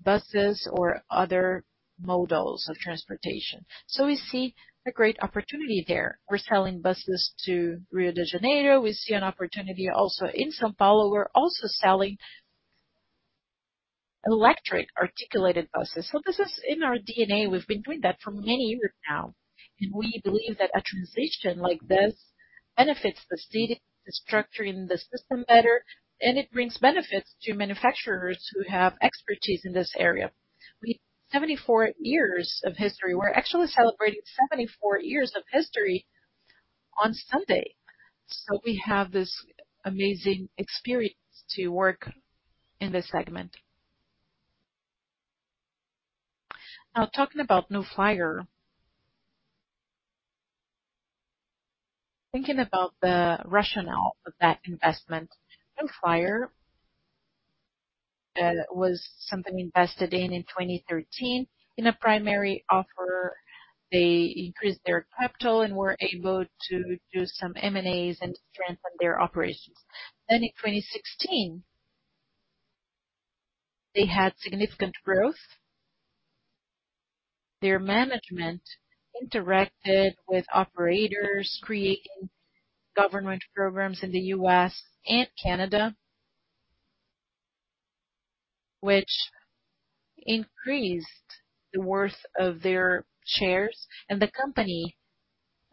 buses or other models of transportation. We see a great opportunity there. We're selling buses to Rio de Janeiro. We see an opportunity also in São Paulo. We're also selling electric articulated buses. This is in our DNA. We've been doing that for many years now, and we believe that a transition like this benefits the city, the structuring the system better, and it brings benefits to manufacturers who have expertise in this area. We have 74 years of history. We're actually celebrating 74 years of history on Sunday, we have this amazing experience to work in this segment. Now, talking about New Flyer. Thinking about the rationale of that investment, New Flyer, was something we invested in in 2013. In a primary offer, they increased their capital and were able to do some M&As and strengthen their operations. In 2016, they had significant growth. Their management interacted with operators, creating government programs in the U.S. and Canada, which increased the worth of their shares, and the company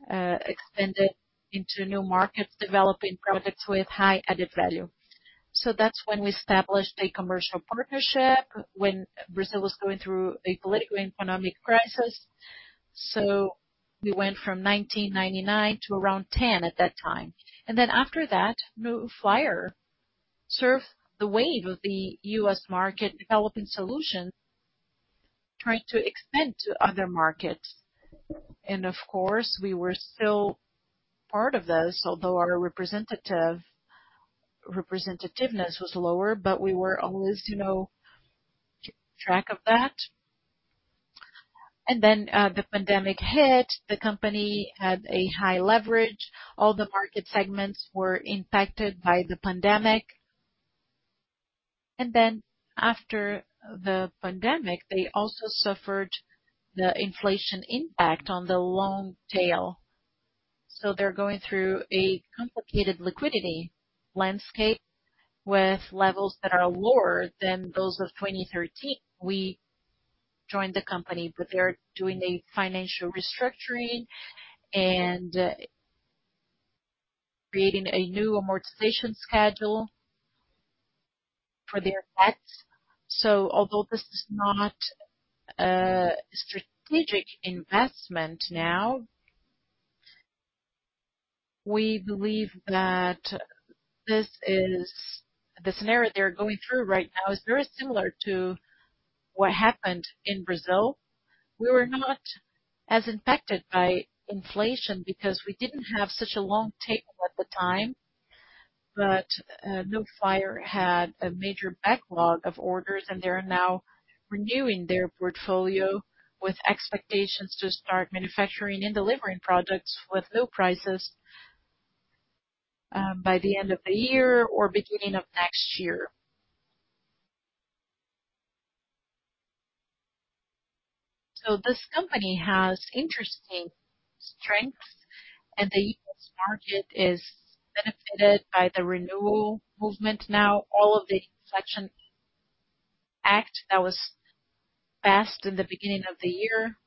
expanded into new markets, developing products with high added value. That's when we established a commercial partnership, when Brazil was going through a political and economic crisis. We went from 1999 to around 10 at that time. After that, New Flyer surfed the wave of the U.S. market development solution, trying to expand to other markets. Of course, we were still part of this, although our representativeness was lower, but we were always, you know, keep track of that. Then the pandemic hit. The company had a high leverage. All the market segments were impacted by the pandemic. After the pandemic, they also suffered the inflation impact on the long tail. They're going through a complicated liquidity landscape with levels that are lower than those of 2013. We joined the company, but they're doing a financial restructuring and creating a new amortization schedule for their debts. Although this is not a strategic investment now, we believe that the scenario they're going through right now is very similar to what happened in Brazil. We were not as impacted by inflation because we didn't have such a long tail at the time, but Nufire had a major backlog of orders, and they are now renewing their portfolio with expectations to start manufacturing and delivering products with low prices by the end of the year or beginning of next year. This company has interesting strengths, and the U.S. market is benefited by the renewal movement now, all of the Inflation Act that was passed in the beginning of the year,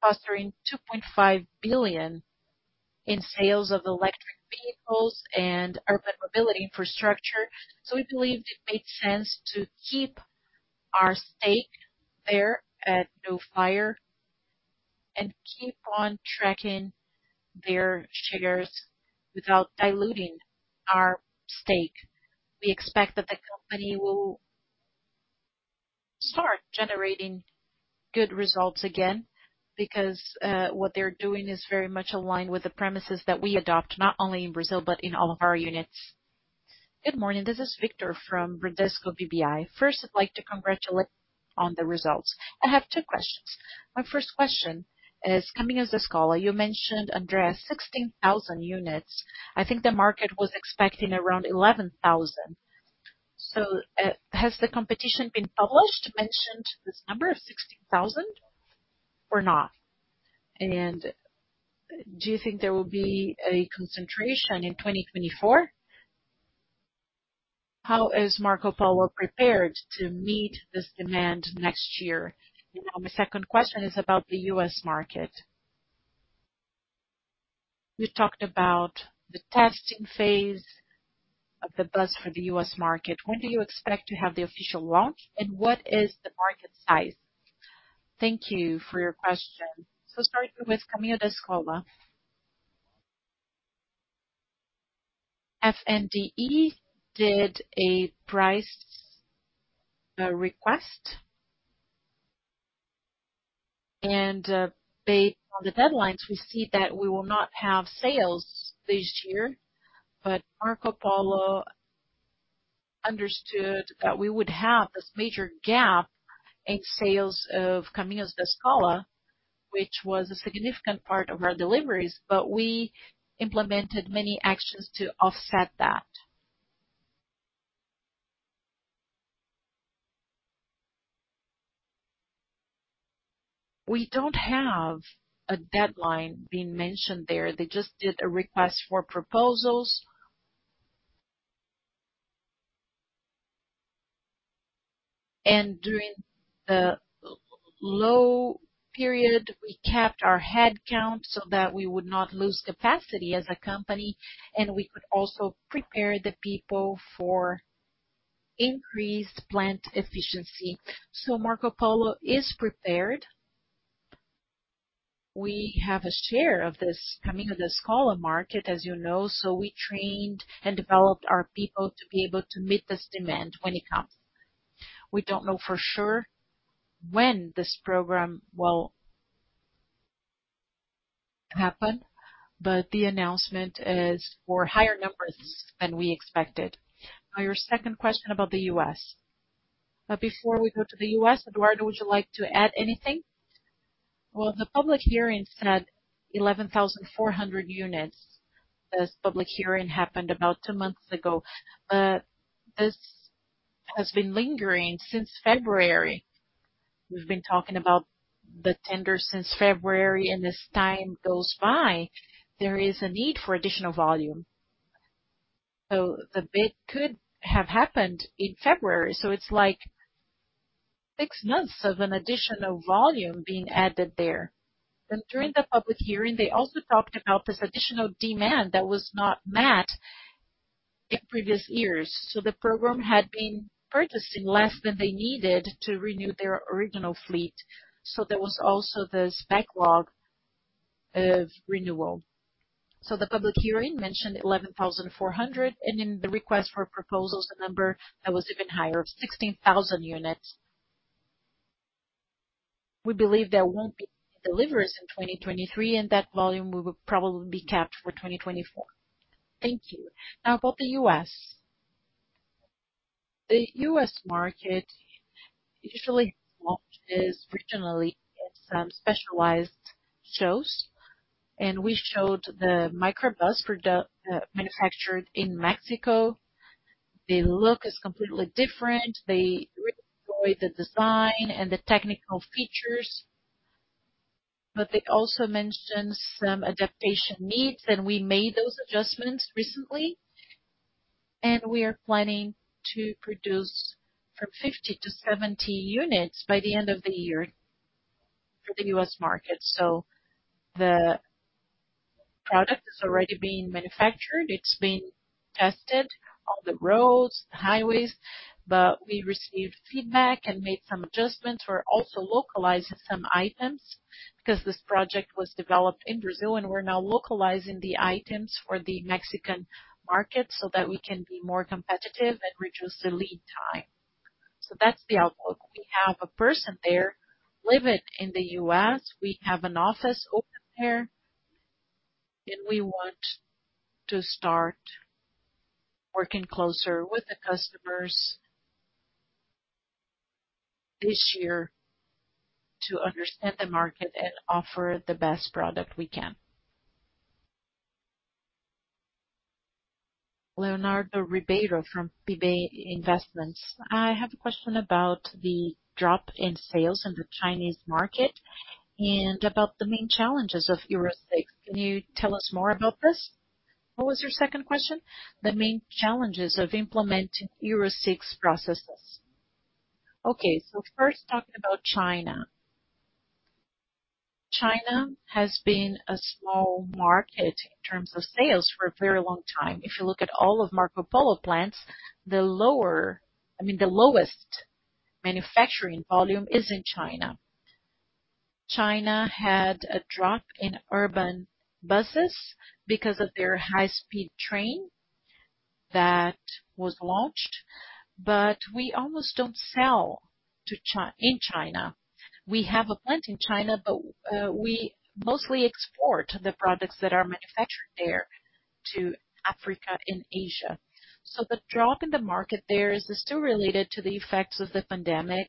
fostering $2.5 billion in sales of electric vehicles and urban mobility infrastructure. We believed it made sense to keep our stake there at Nufire and keep on tracking their shares without diluting our stake. We expect that the company will start generating good results again, because what they're doing is very much aligned with the premises that we adopt, not only in Brazil, but in all of our units. Good morning, this is Victor from Bradesco BBI. First, I'd like to congratulate on the results. I have two questions. My first question is, Caminho da Escola, you mentioned, André, 16,000 units. I think the market was expecting around 11,000. Has the competition been published, mentioned this number of 16,000 or not? Do you think there will be a concentration in 2024? How is Marcopolo prepared to meet this demand next year? My second question is about the U.S. market. You talked about the testing phase of the bus for the U.S. market. When do you expect to have the official launch, and what is the market size? Thank you for your question. Starting with Caminho da Escola. FNDE did a price request. Based on the deadlines, we see that we will not have sales this year. Marcopolo understood that we would have this major gap in sales of Caminho da Escola, which was a significant part of our deliveries, but we implemented many actions to offset that. We don't have a deadline being mentioned there. They just did a request for proposals. During the low period, we kept our headcount so that we would not lose capacity as a company, and we could also prepare the people for increased plant efficiency. Marcopolo is prepared. We have a share of this Caminho da Escola market, as you know, so we trained and developed our people to be able to meet this demand when it comes. We don't know for sure when this program will happen, but the announcement is for higher numbers than we expected. Now, your second question about the U.S. Before we go to the U.S., Eduardo, would you like to add anything? The public hearing said 11,400 units. This has been lingering since February. We've been talking about the tender since February. As time goes by, there is a need for additional volume. The bid could have happened in February, so it's like six months of an additional volume being added there. During the public hearing, they also talked about this additional demand that was not met in previous years. The program had been purchasing less than they needed to renew their original fleet, so there was also this backlog of renewal. The public hearing mentioned 11,400, and in the request for proposals, the number that was even higher, 16,000 units. We believe there won't be any deliveries in 2023, and that volume will probably be capped for 2024. Thank you. About the U.S. The U.S. market usually launched as originally in some specialized shows. We showed the microbus for the manufactured in Mexico. The look is completely different. They really enjoy the design and the technical features, but they also mentioned some adaptation needs. We made those adjustments recently. We are planning to produce from 50 to 70 units by the end of the year for the U.S. market. The product is already being manufactured. It's being tested on the roads, highways, but we received feedback and made some adjustments. We're also localizing some items because this project was developed in Brazil. We're now localizing the items for the Mexican market so that we can be more competitive and reduce the lead time. That's the outlook. We have a person there, living in the U.S. We have an office open there. We want to start working closer with the customers this year to understand the market and offer the best product we can. Leonardo Ribeiro from BB Investimentos. I have a question about the drop in sales in the Chinese market and about the main challenges of Euro 6. Can you tell us more about this? What was your second question? The main challenges of implementing Euro 6 processes. Okay. First, talking about China. China has been a small market in terms of sales for a very long time. If you look at all of Marcopolo plants, I mean, the lowest manufacturing volume is in China. China had a drop in urban buses because of their high speed train that was launched, but we almost don't sell in China. We have a plant in China, we mostly export the products that are manufactured there to Africa and Asia. The drop in the market there is still related to the effects of the pandemic.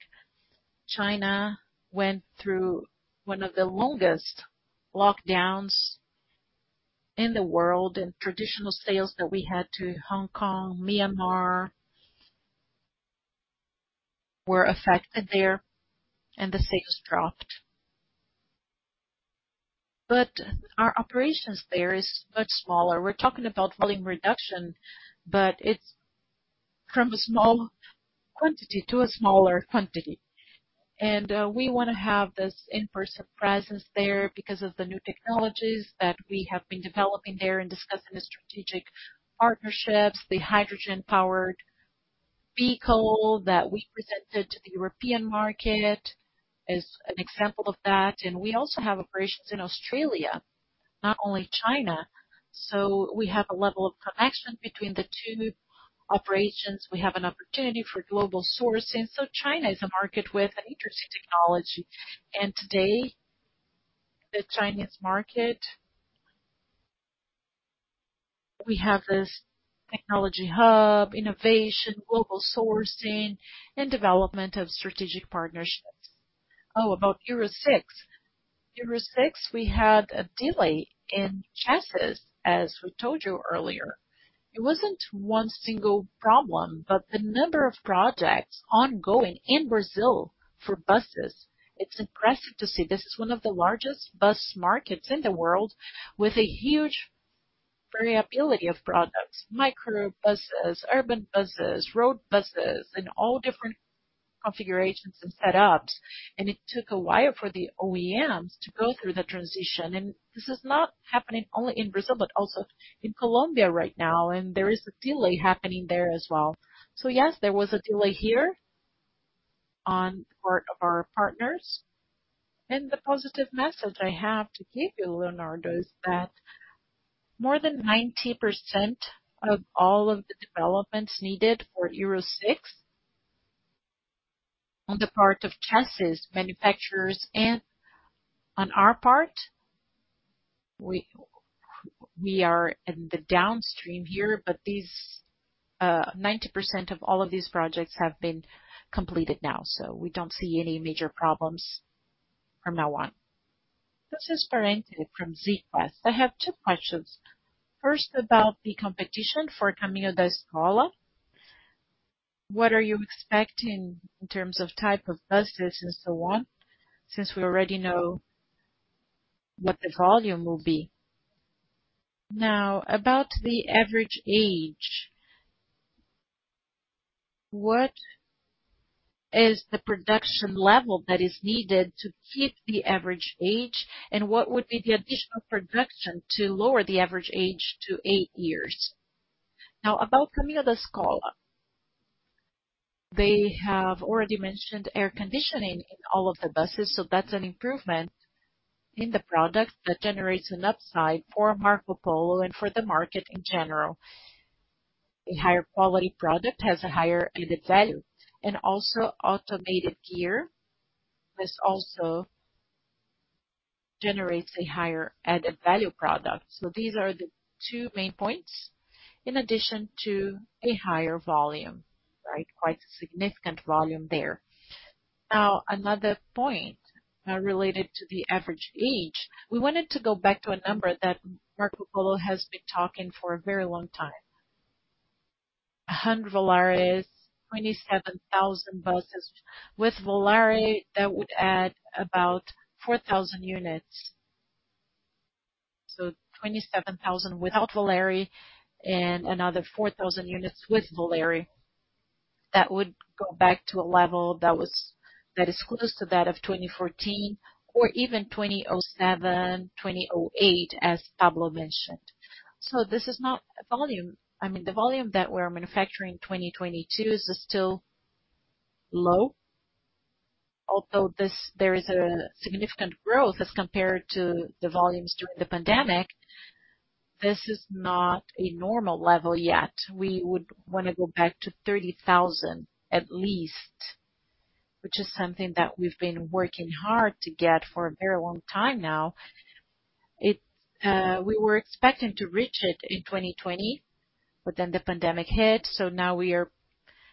China went through one of the longest lockdowns in the world, and traditional sales that we had to Hong Kong, Myanmar, were affected there, and the sales dropped. Our operations there is much smaller. We're talking about volume reduction, but it's from a small quantity to a smaller quantity. We wanna have this in-person presence there because of the new technologies that we have been developing there and discussing the strategic partnerships, the hydrogen-powered vehicle that we presented to the European market as an example of that. We also have operations in Australia, not only China. We have a level of connection between the two operations. We have an opportunity for global sourcing. China is a market with an interesting technology, and today, the Chinese market, we have this technology hub, innovation, global sourcing, and development of strategic partnerships. Oh, about Euro 6. Euro 6, we had a delay in chassis, as we told you earlier. It wasn't one single problem, but the number of projects ongoing in Brazil for buses, it's impressive to see. This is one of the largest bus markets in the world, with a huge variability of products, micro buses, urban buses, road buses, and all different configurations and setups. It took a while for the OEMs to go through the transition. This is not happening only in Brazil, but also in Colombia right now, and there is a delay happening there as well. Yes, there was a delay here on part of our partners. The positive message I have to give you, Leonardo, is that more than 90% of all of the developments needed for Euro 6, on the part of chassis manufacturers and on our part, we, we are in the downstream here, but these 90% of all of these projects have been completed now, so we don't see any major problems from now on. This is Fernanda from BTG Pactual. I have two questions. First, about the competition for Caminho da Escola. What are you expecting in terms of type of buses and so on, since we already know what the volume will be? Now, about the average age, what is the production level that is needed to keep the average age, and what would be the additional production to lower the average age to eight years? About Caminho da Escola. They have already mentioned air conditioning in all of the buses, so that's an improvement in the product that generates an upside for Marcopolo and for the market in general. A higher quality product has a higher added value, and also automated gear, this also generates a higher added value product. These are the two main points, in addition to a higher volume, right? Quite significant volume there. Now, another point related to the average age. We wanted to go back to a number that Marcopolo has been talking for a very long time. 100 Volares, 27,000 buses. With Volare, that would add about 4,000 units. 27,000 without Volare and another 4,000 units with Volare. That would go back to a level that is close to that of 2014 or even 2007, 2008, as Pablo mentioned. This is not volume. I mean, the volume that we're manufacturing in 2022 is still low. Although there is a significant growth as compared to the volumes during the pandemic, this is not a normal level yet. We would wanna go back to 30,000 at least, which is something that we've been working hard to get for a very long time now. It. We were expecting to reach it in 2020, but then the pandemic hit, so now we are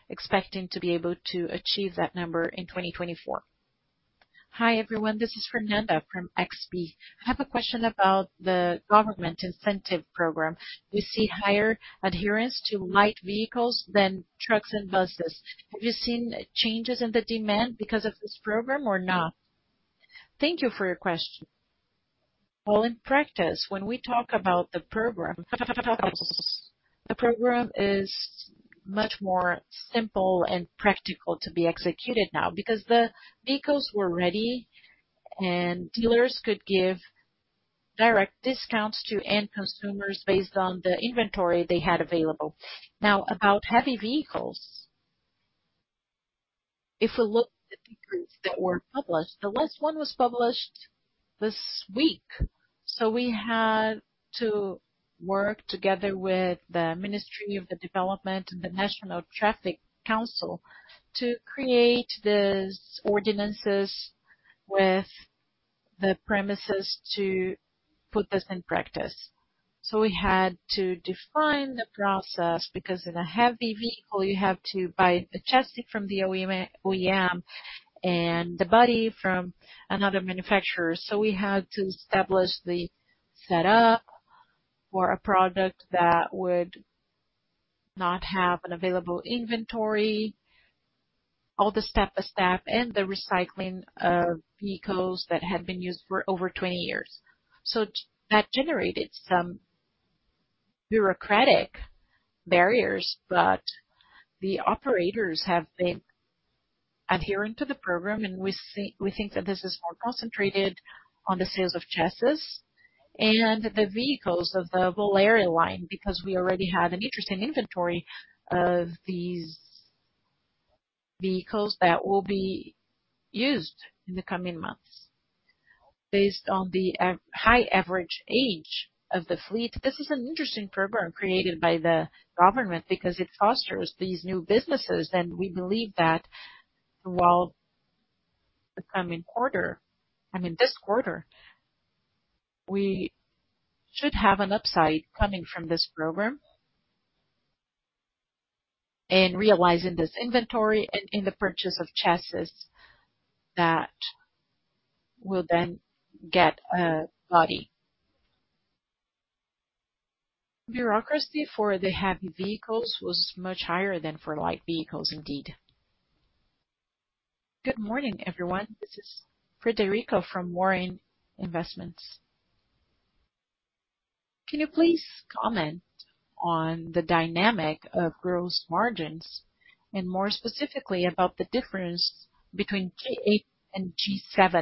expecting to be able to achieve that number in 2024. Hi, everyone. This is Fernanda from XP. I have a question about the government incentive program. We see higher adherence to light vehicles than trucks and buses. Have you seen changes in the demand because of this program or not? Thank you for your question. Well, in practice, when we talk about the program, the program is much more simple and practical to be executed now, because the vehicles were ready and dealers could give direct discounts to end consumers based on the inventory they had available. Now, about heavy vehicles, if we look at the decrees that were published, the last one was published this week. We had to work together with the Ministry of the Development and the National Traffic Council to create these ordinances with the premises to put this in practice. We had to define the process, because in a heavy vehicle, you have to buy the chassis from the OEM and the body from another manufacturer. We had to establish the setup for a product that would not have an available inventory, all the step-by-step, and the recycling of vehicles that had been used for over 20 years. That generated some bureaucratic barriers, but the operators have been adhering to the program, and we think that this is more concentrated on the sales of chassis and the vehicles of the Volare line, because we already have an interesting inventory of these vehicles that will be used in the coming months. Based on the high average age of the fleet, this is an interesting program created by the government because it fosters these new businesses. We believe that while the coming quarter, I mean, this quarter, we should have an upside coming from this program. Realizing this inventory and in the purchase of chassis that will then get body. Bureaucracy for the heavy vehicles was much higher than for light vehicles, indeed. Good morning, everyone. This is Frederico from Warren Investimentos. Can you please comment on the dynamic of gross margins, and more specifically, about the difference between G8 and G7?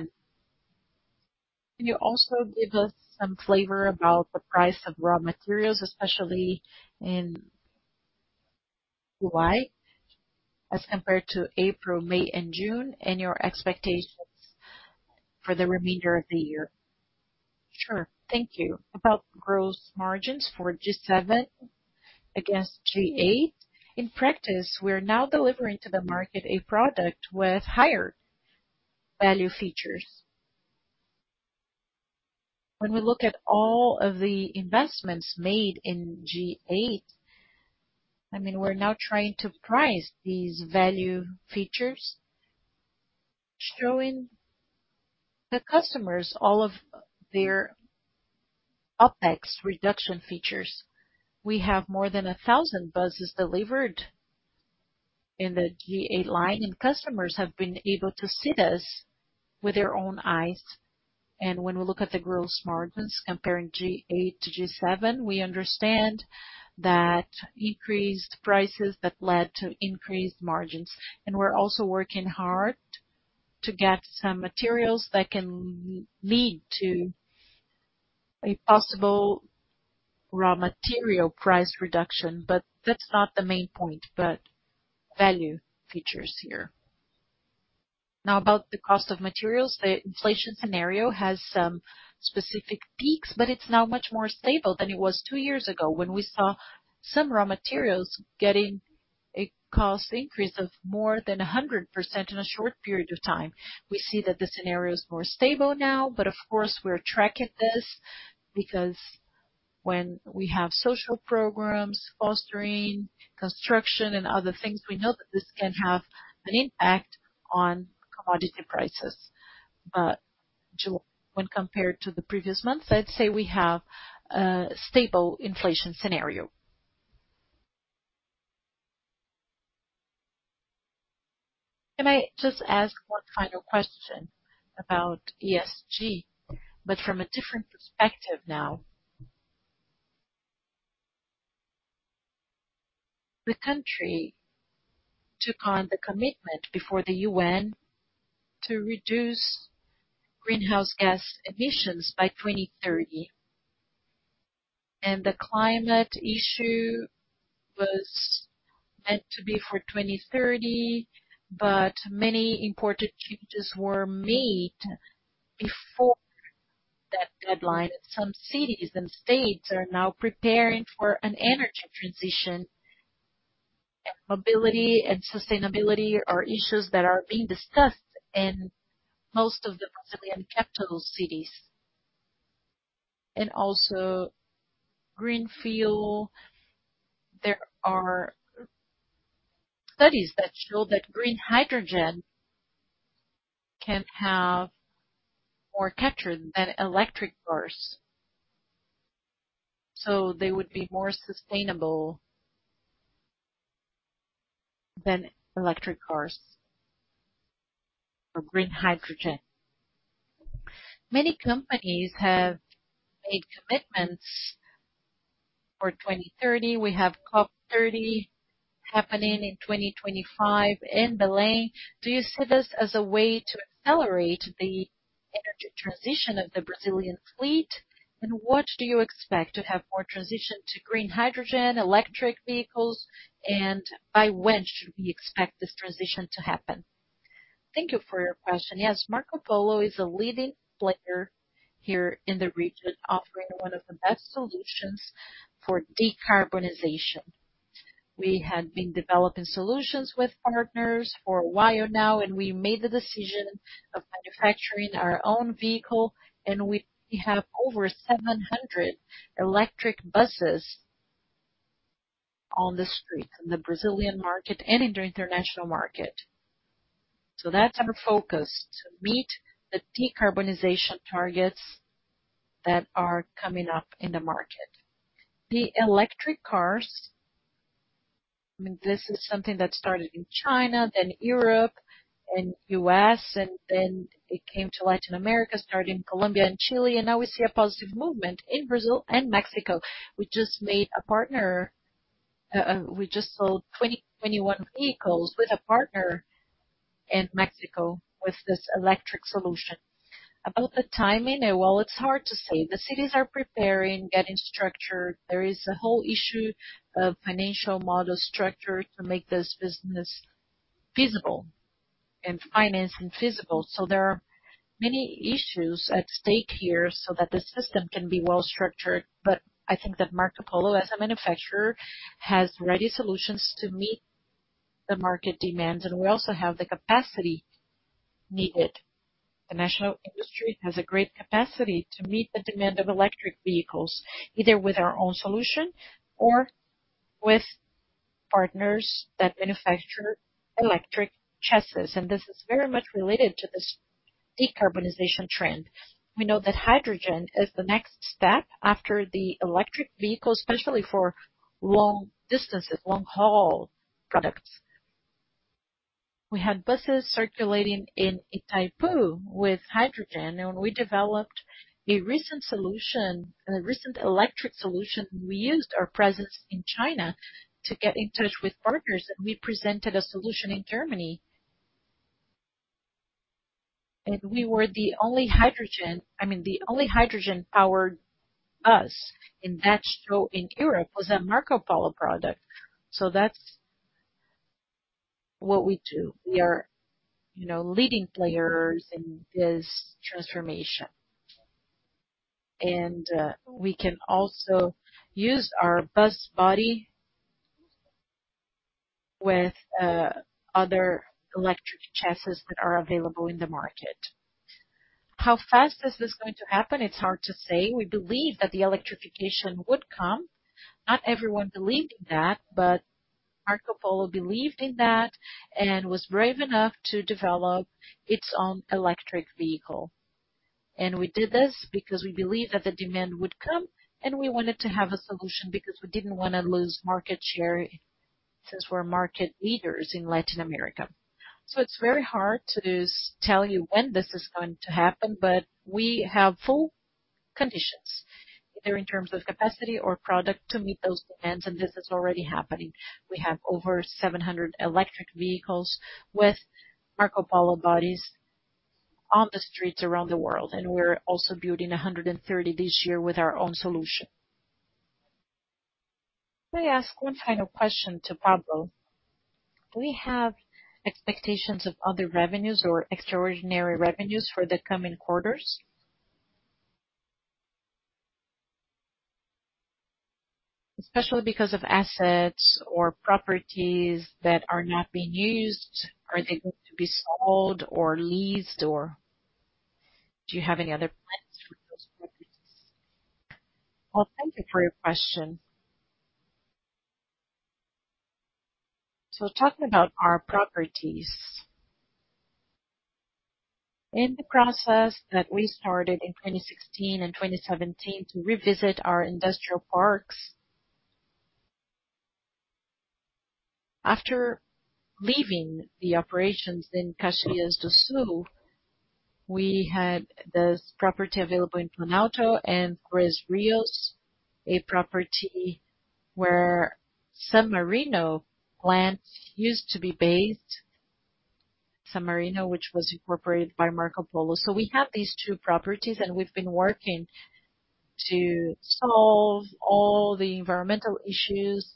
Can you also give us some flavor about the price of raw materials, especially in July, as compared to April, May and June, and your expectations for the remainder of the year? Sure. Thank you. About gross margins for G7 against G8. In practice, we are now delivering to the market a product with higher value features. When we look at all of the investments made in G8, I mean, we're now trying to price these value features, showing the customers all of their OpEx reduction features. We have more than 1,000 buses delivered in the G8 line. Customers have been able to see this with their own eyes. When we look at the gross margins comparing G8 to G7, we understand that increased prices that led to increased margins. We're also working hard to get some materials that can lead to a possible raw material price reduction. That's not the main point, but value features here. Now, about the cost of materials. The inflation scenario has some specific peaks, but it's now much more stable than it was two years ago, when we saw some raw materials getting a cost increase of more than 100% in a short period of time. We see that the scenario is more stable now, of course, we're tracking this, because when we have social programs fostering construction and other things, we know that this can have an impact on commodity prices. When compared to the previous months, I'd say we have a stable inflation scenario. Can I just ask one final question about ESG, but from a different perspective now? The country took on the commitment before the UN to reduce greenhouse gas emissions by 2030, the climate issue was meant to be for 2030, but many important changes were made before that deadline. Some cities and states are now preparing for an energy transition, mobility and sustainability are issues that are being discussed in most of the Brazilian capital cities. Also green fuel. There are studies that show that green hydrogen can have more capture than electric cars, so they would be more sustainable.... than electric cars or green hydrogen. Many companies have made commitments for 2030. We have COP 30 happening in 2025 in Belém. What do you expect to have more transition to green hydrogen, electric vehicles, and by when should we expect this transition to happen? Thank you for your question. Yes, Marcopolo is a leading player here in the region, offering one of the best solutions for decarbonization. We have been developing solutions with partners for a while now, and we made the decision of manufacturing our own vehicle, and we have over 700 electric buses on the street, in the Brazilian market and in the international market. That's our focus, to meet the decarbonization targets that are coming up in the market. The electric cars, I mean, this is something that started in China, then Europe and U.S., and then it came to Latin America, started in Colombia and Chile, and now we see a positive movement in Brazil and Mexico. We just made a partner, we just sold 21 vehicles with a partner in Mexico with this electric solution. About the timing, well, it's hard to say. The cities are preparing, getting structured. There is a whole issue of financial model structure to make this business feasible and finance and feasible. There are many issues at stake here so that the system can be well structured. I think that Marcopolo, as a manufacturer, has ready solutions to meet the market demand, and we also have the capacity needed. The national industry has a great capacity to meet the demand of electric vehicles, either with our own solution or with partners that manufacture electric chassis, and this is very much related to this decarbonization trend. We know that hydrogen is the next step after the electric vehicle, especially for long distances, long-haul products. We had buses circulating in Itaipu with hydrogen, and we developed a recent solution, a recent electric solution. We used our presence in China to get in touch with partners, and we presented a solution in Germany. We were the only hydrogen, I mean, the only hydrogen-powered bus in that show in Europe was a Marcopolo product. That's what we do. We are, you know, leading players in this transformation. We can also use our bus body with other electric chassis that are available in the market. How fast is this going to happen? It's hard to say. We believe that the electrification would come. Not everyone believed in that, but Marcopolo believed in that and was brave enough to develop its own electric vehicle. We did this because we believed that the demand would come, and we wanted to have a solution because we didn't wanna lose market share, since we're market leaders in Latin America. It's very hard to just tell you when this is going to happen, but we have full conditions, either in terms of capacity or product, to meet those demands, and this is already happening. We have over 700 electric vehicles with Marcopolo bodies on the streets around the world, and we're also building 130 this year with our own solution. Let me ask one final question to Pablo. Do we have expectations of other revenues or extraordinary revenues for the coming quarters? Especially because of assets or properties that are not being used, are they going to be sold or leased, or do you have any other plans for those properties? Well, thank you for your question. Talking about our properties. In the process that we started in 2016 and 2017 to revisit our industrial parks, after leaving the operations in Caxias do Sul, we had this property available in Planalto and Ana Rech, a property where San Marino plant used to be based. San Marino, which was incorporated by Marcopolo. We have these two properties, and we've been working to solve all the environmental issues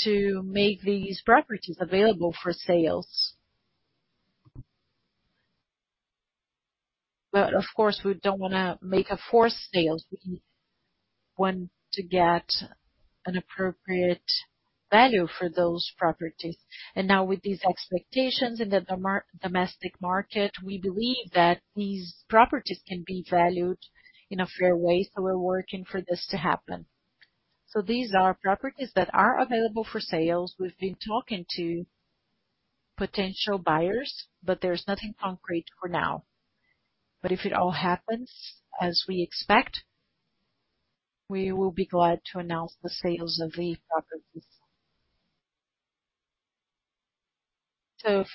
to make these properties available for sales. Of course, we don't wanna make a forced sale. We want to get an appropriate value for those properties. Now with these expectations in the domestic market, we believe that these properties can be valued in a fair way, we're working for this to happen. These are properties that are available for sales. We've been talking to potential buyers, there's nothing concrete for now. If it all happens as we expect. We will be glad to announce the sales of the properties.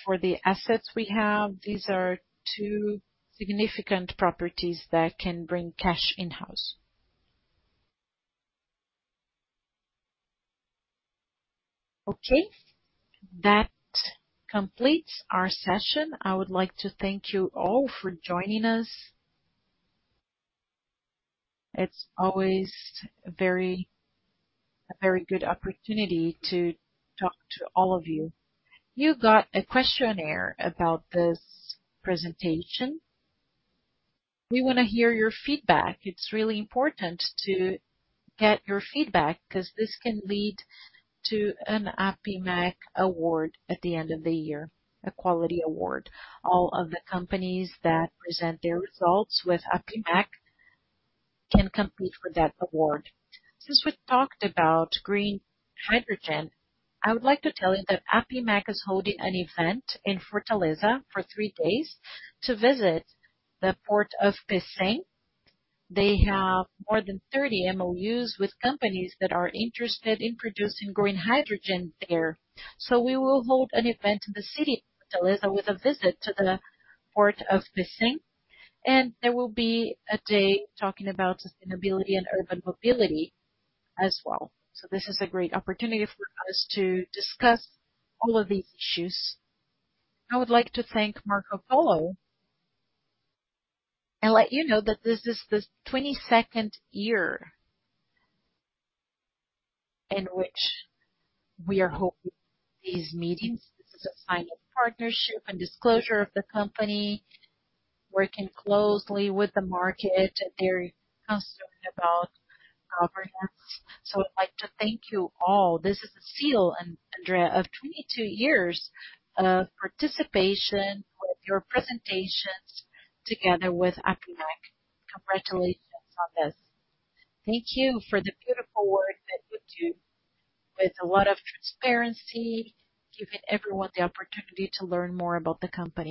For the assets we have, these are two significant properties that can bring cash in-house. That completes our session. I would like to thank you all for joining us. It's always a very, a very good opportunity to talk to all of you. You got a questionnaire about this presentation. We wanna hear your feedback. It's really important to get your feedback, 'cause this can lead to an APIMEC award at the end of the year, a quality award. All of the companies that present their results with APIMEC can compete for that award. Since we talked about green hydrogen, I would like to tell you that APIMEC is holding an event in Fortaleza for three days to visit the Port of Pecém. They have more than 30 MOUs with companies that are interested in producing green hydrogen there. We will hold an event in the city of Fortaleza with a visit to the Port of Pecém, and there will be a day talking about sustainability and urban mobility as well. This is a great opportunity for us to discuss all of these issues. I would like to thank Marcopolo, and let you know that this is the 22nd year in which we are holding these meetings. This is a sign of partnership and disclosure of the company, working closely with the market, very concerned about governance. I'd like to thank you all. This is a seal, André, of 22 years of participation with your presentations together with APIMEC. Congratulations on this. Thank you for the beautiful work that you do with a lot of transparency, giving everyone the opportunity to learn more about the company.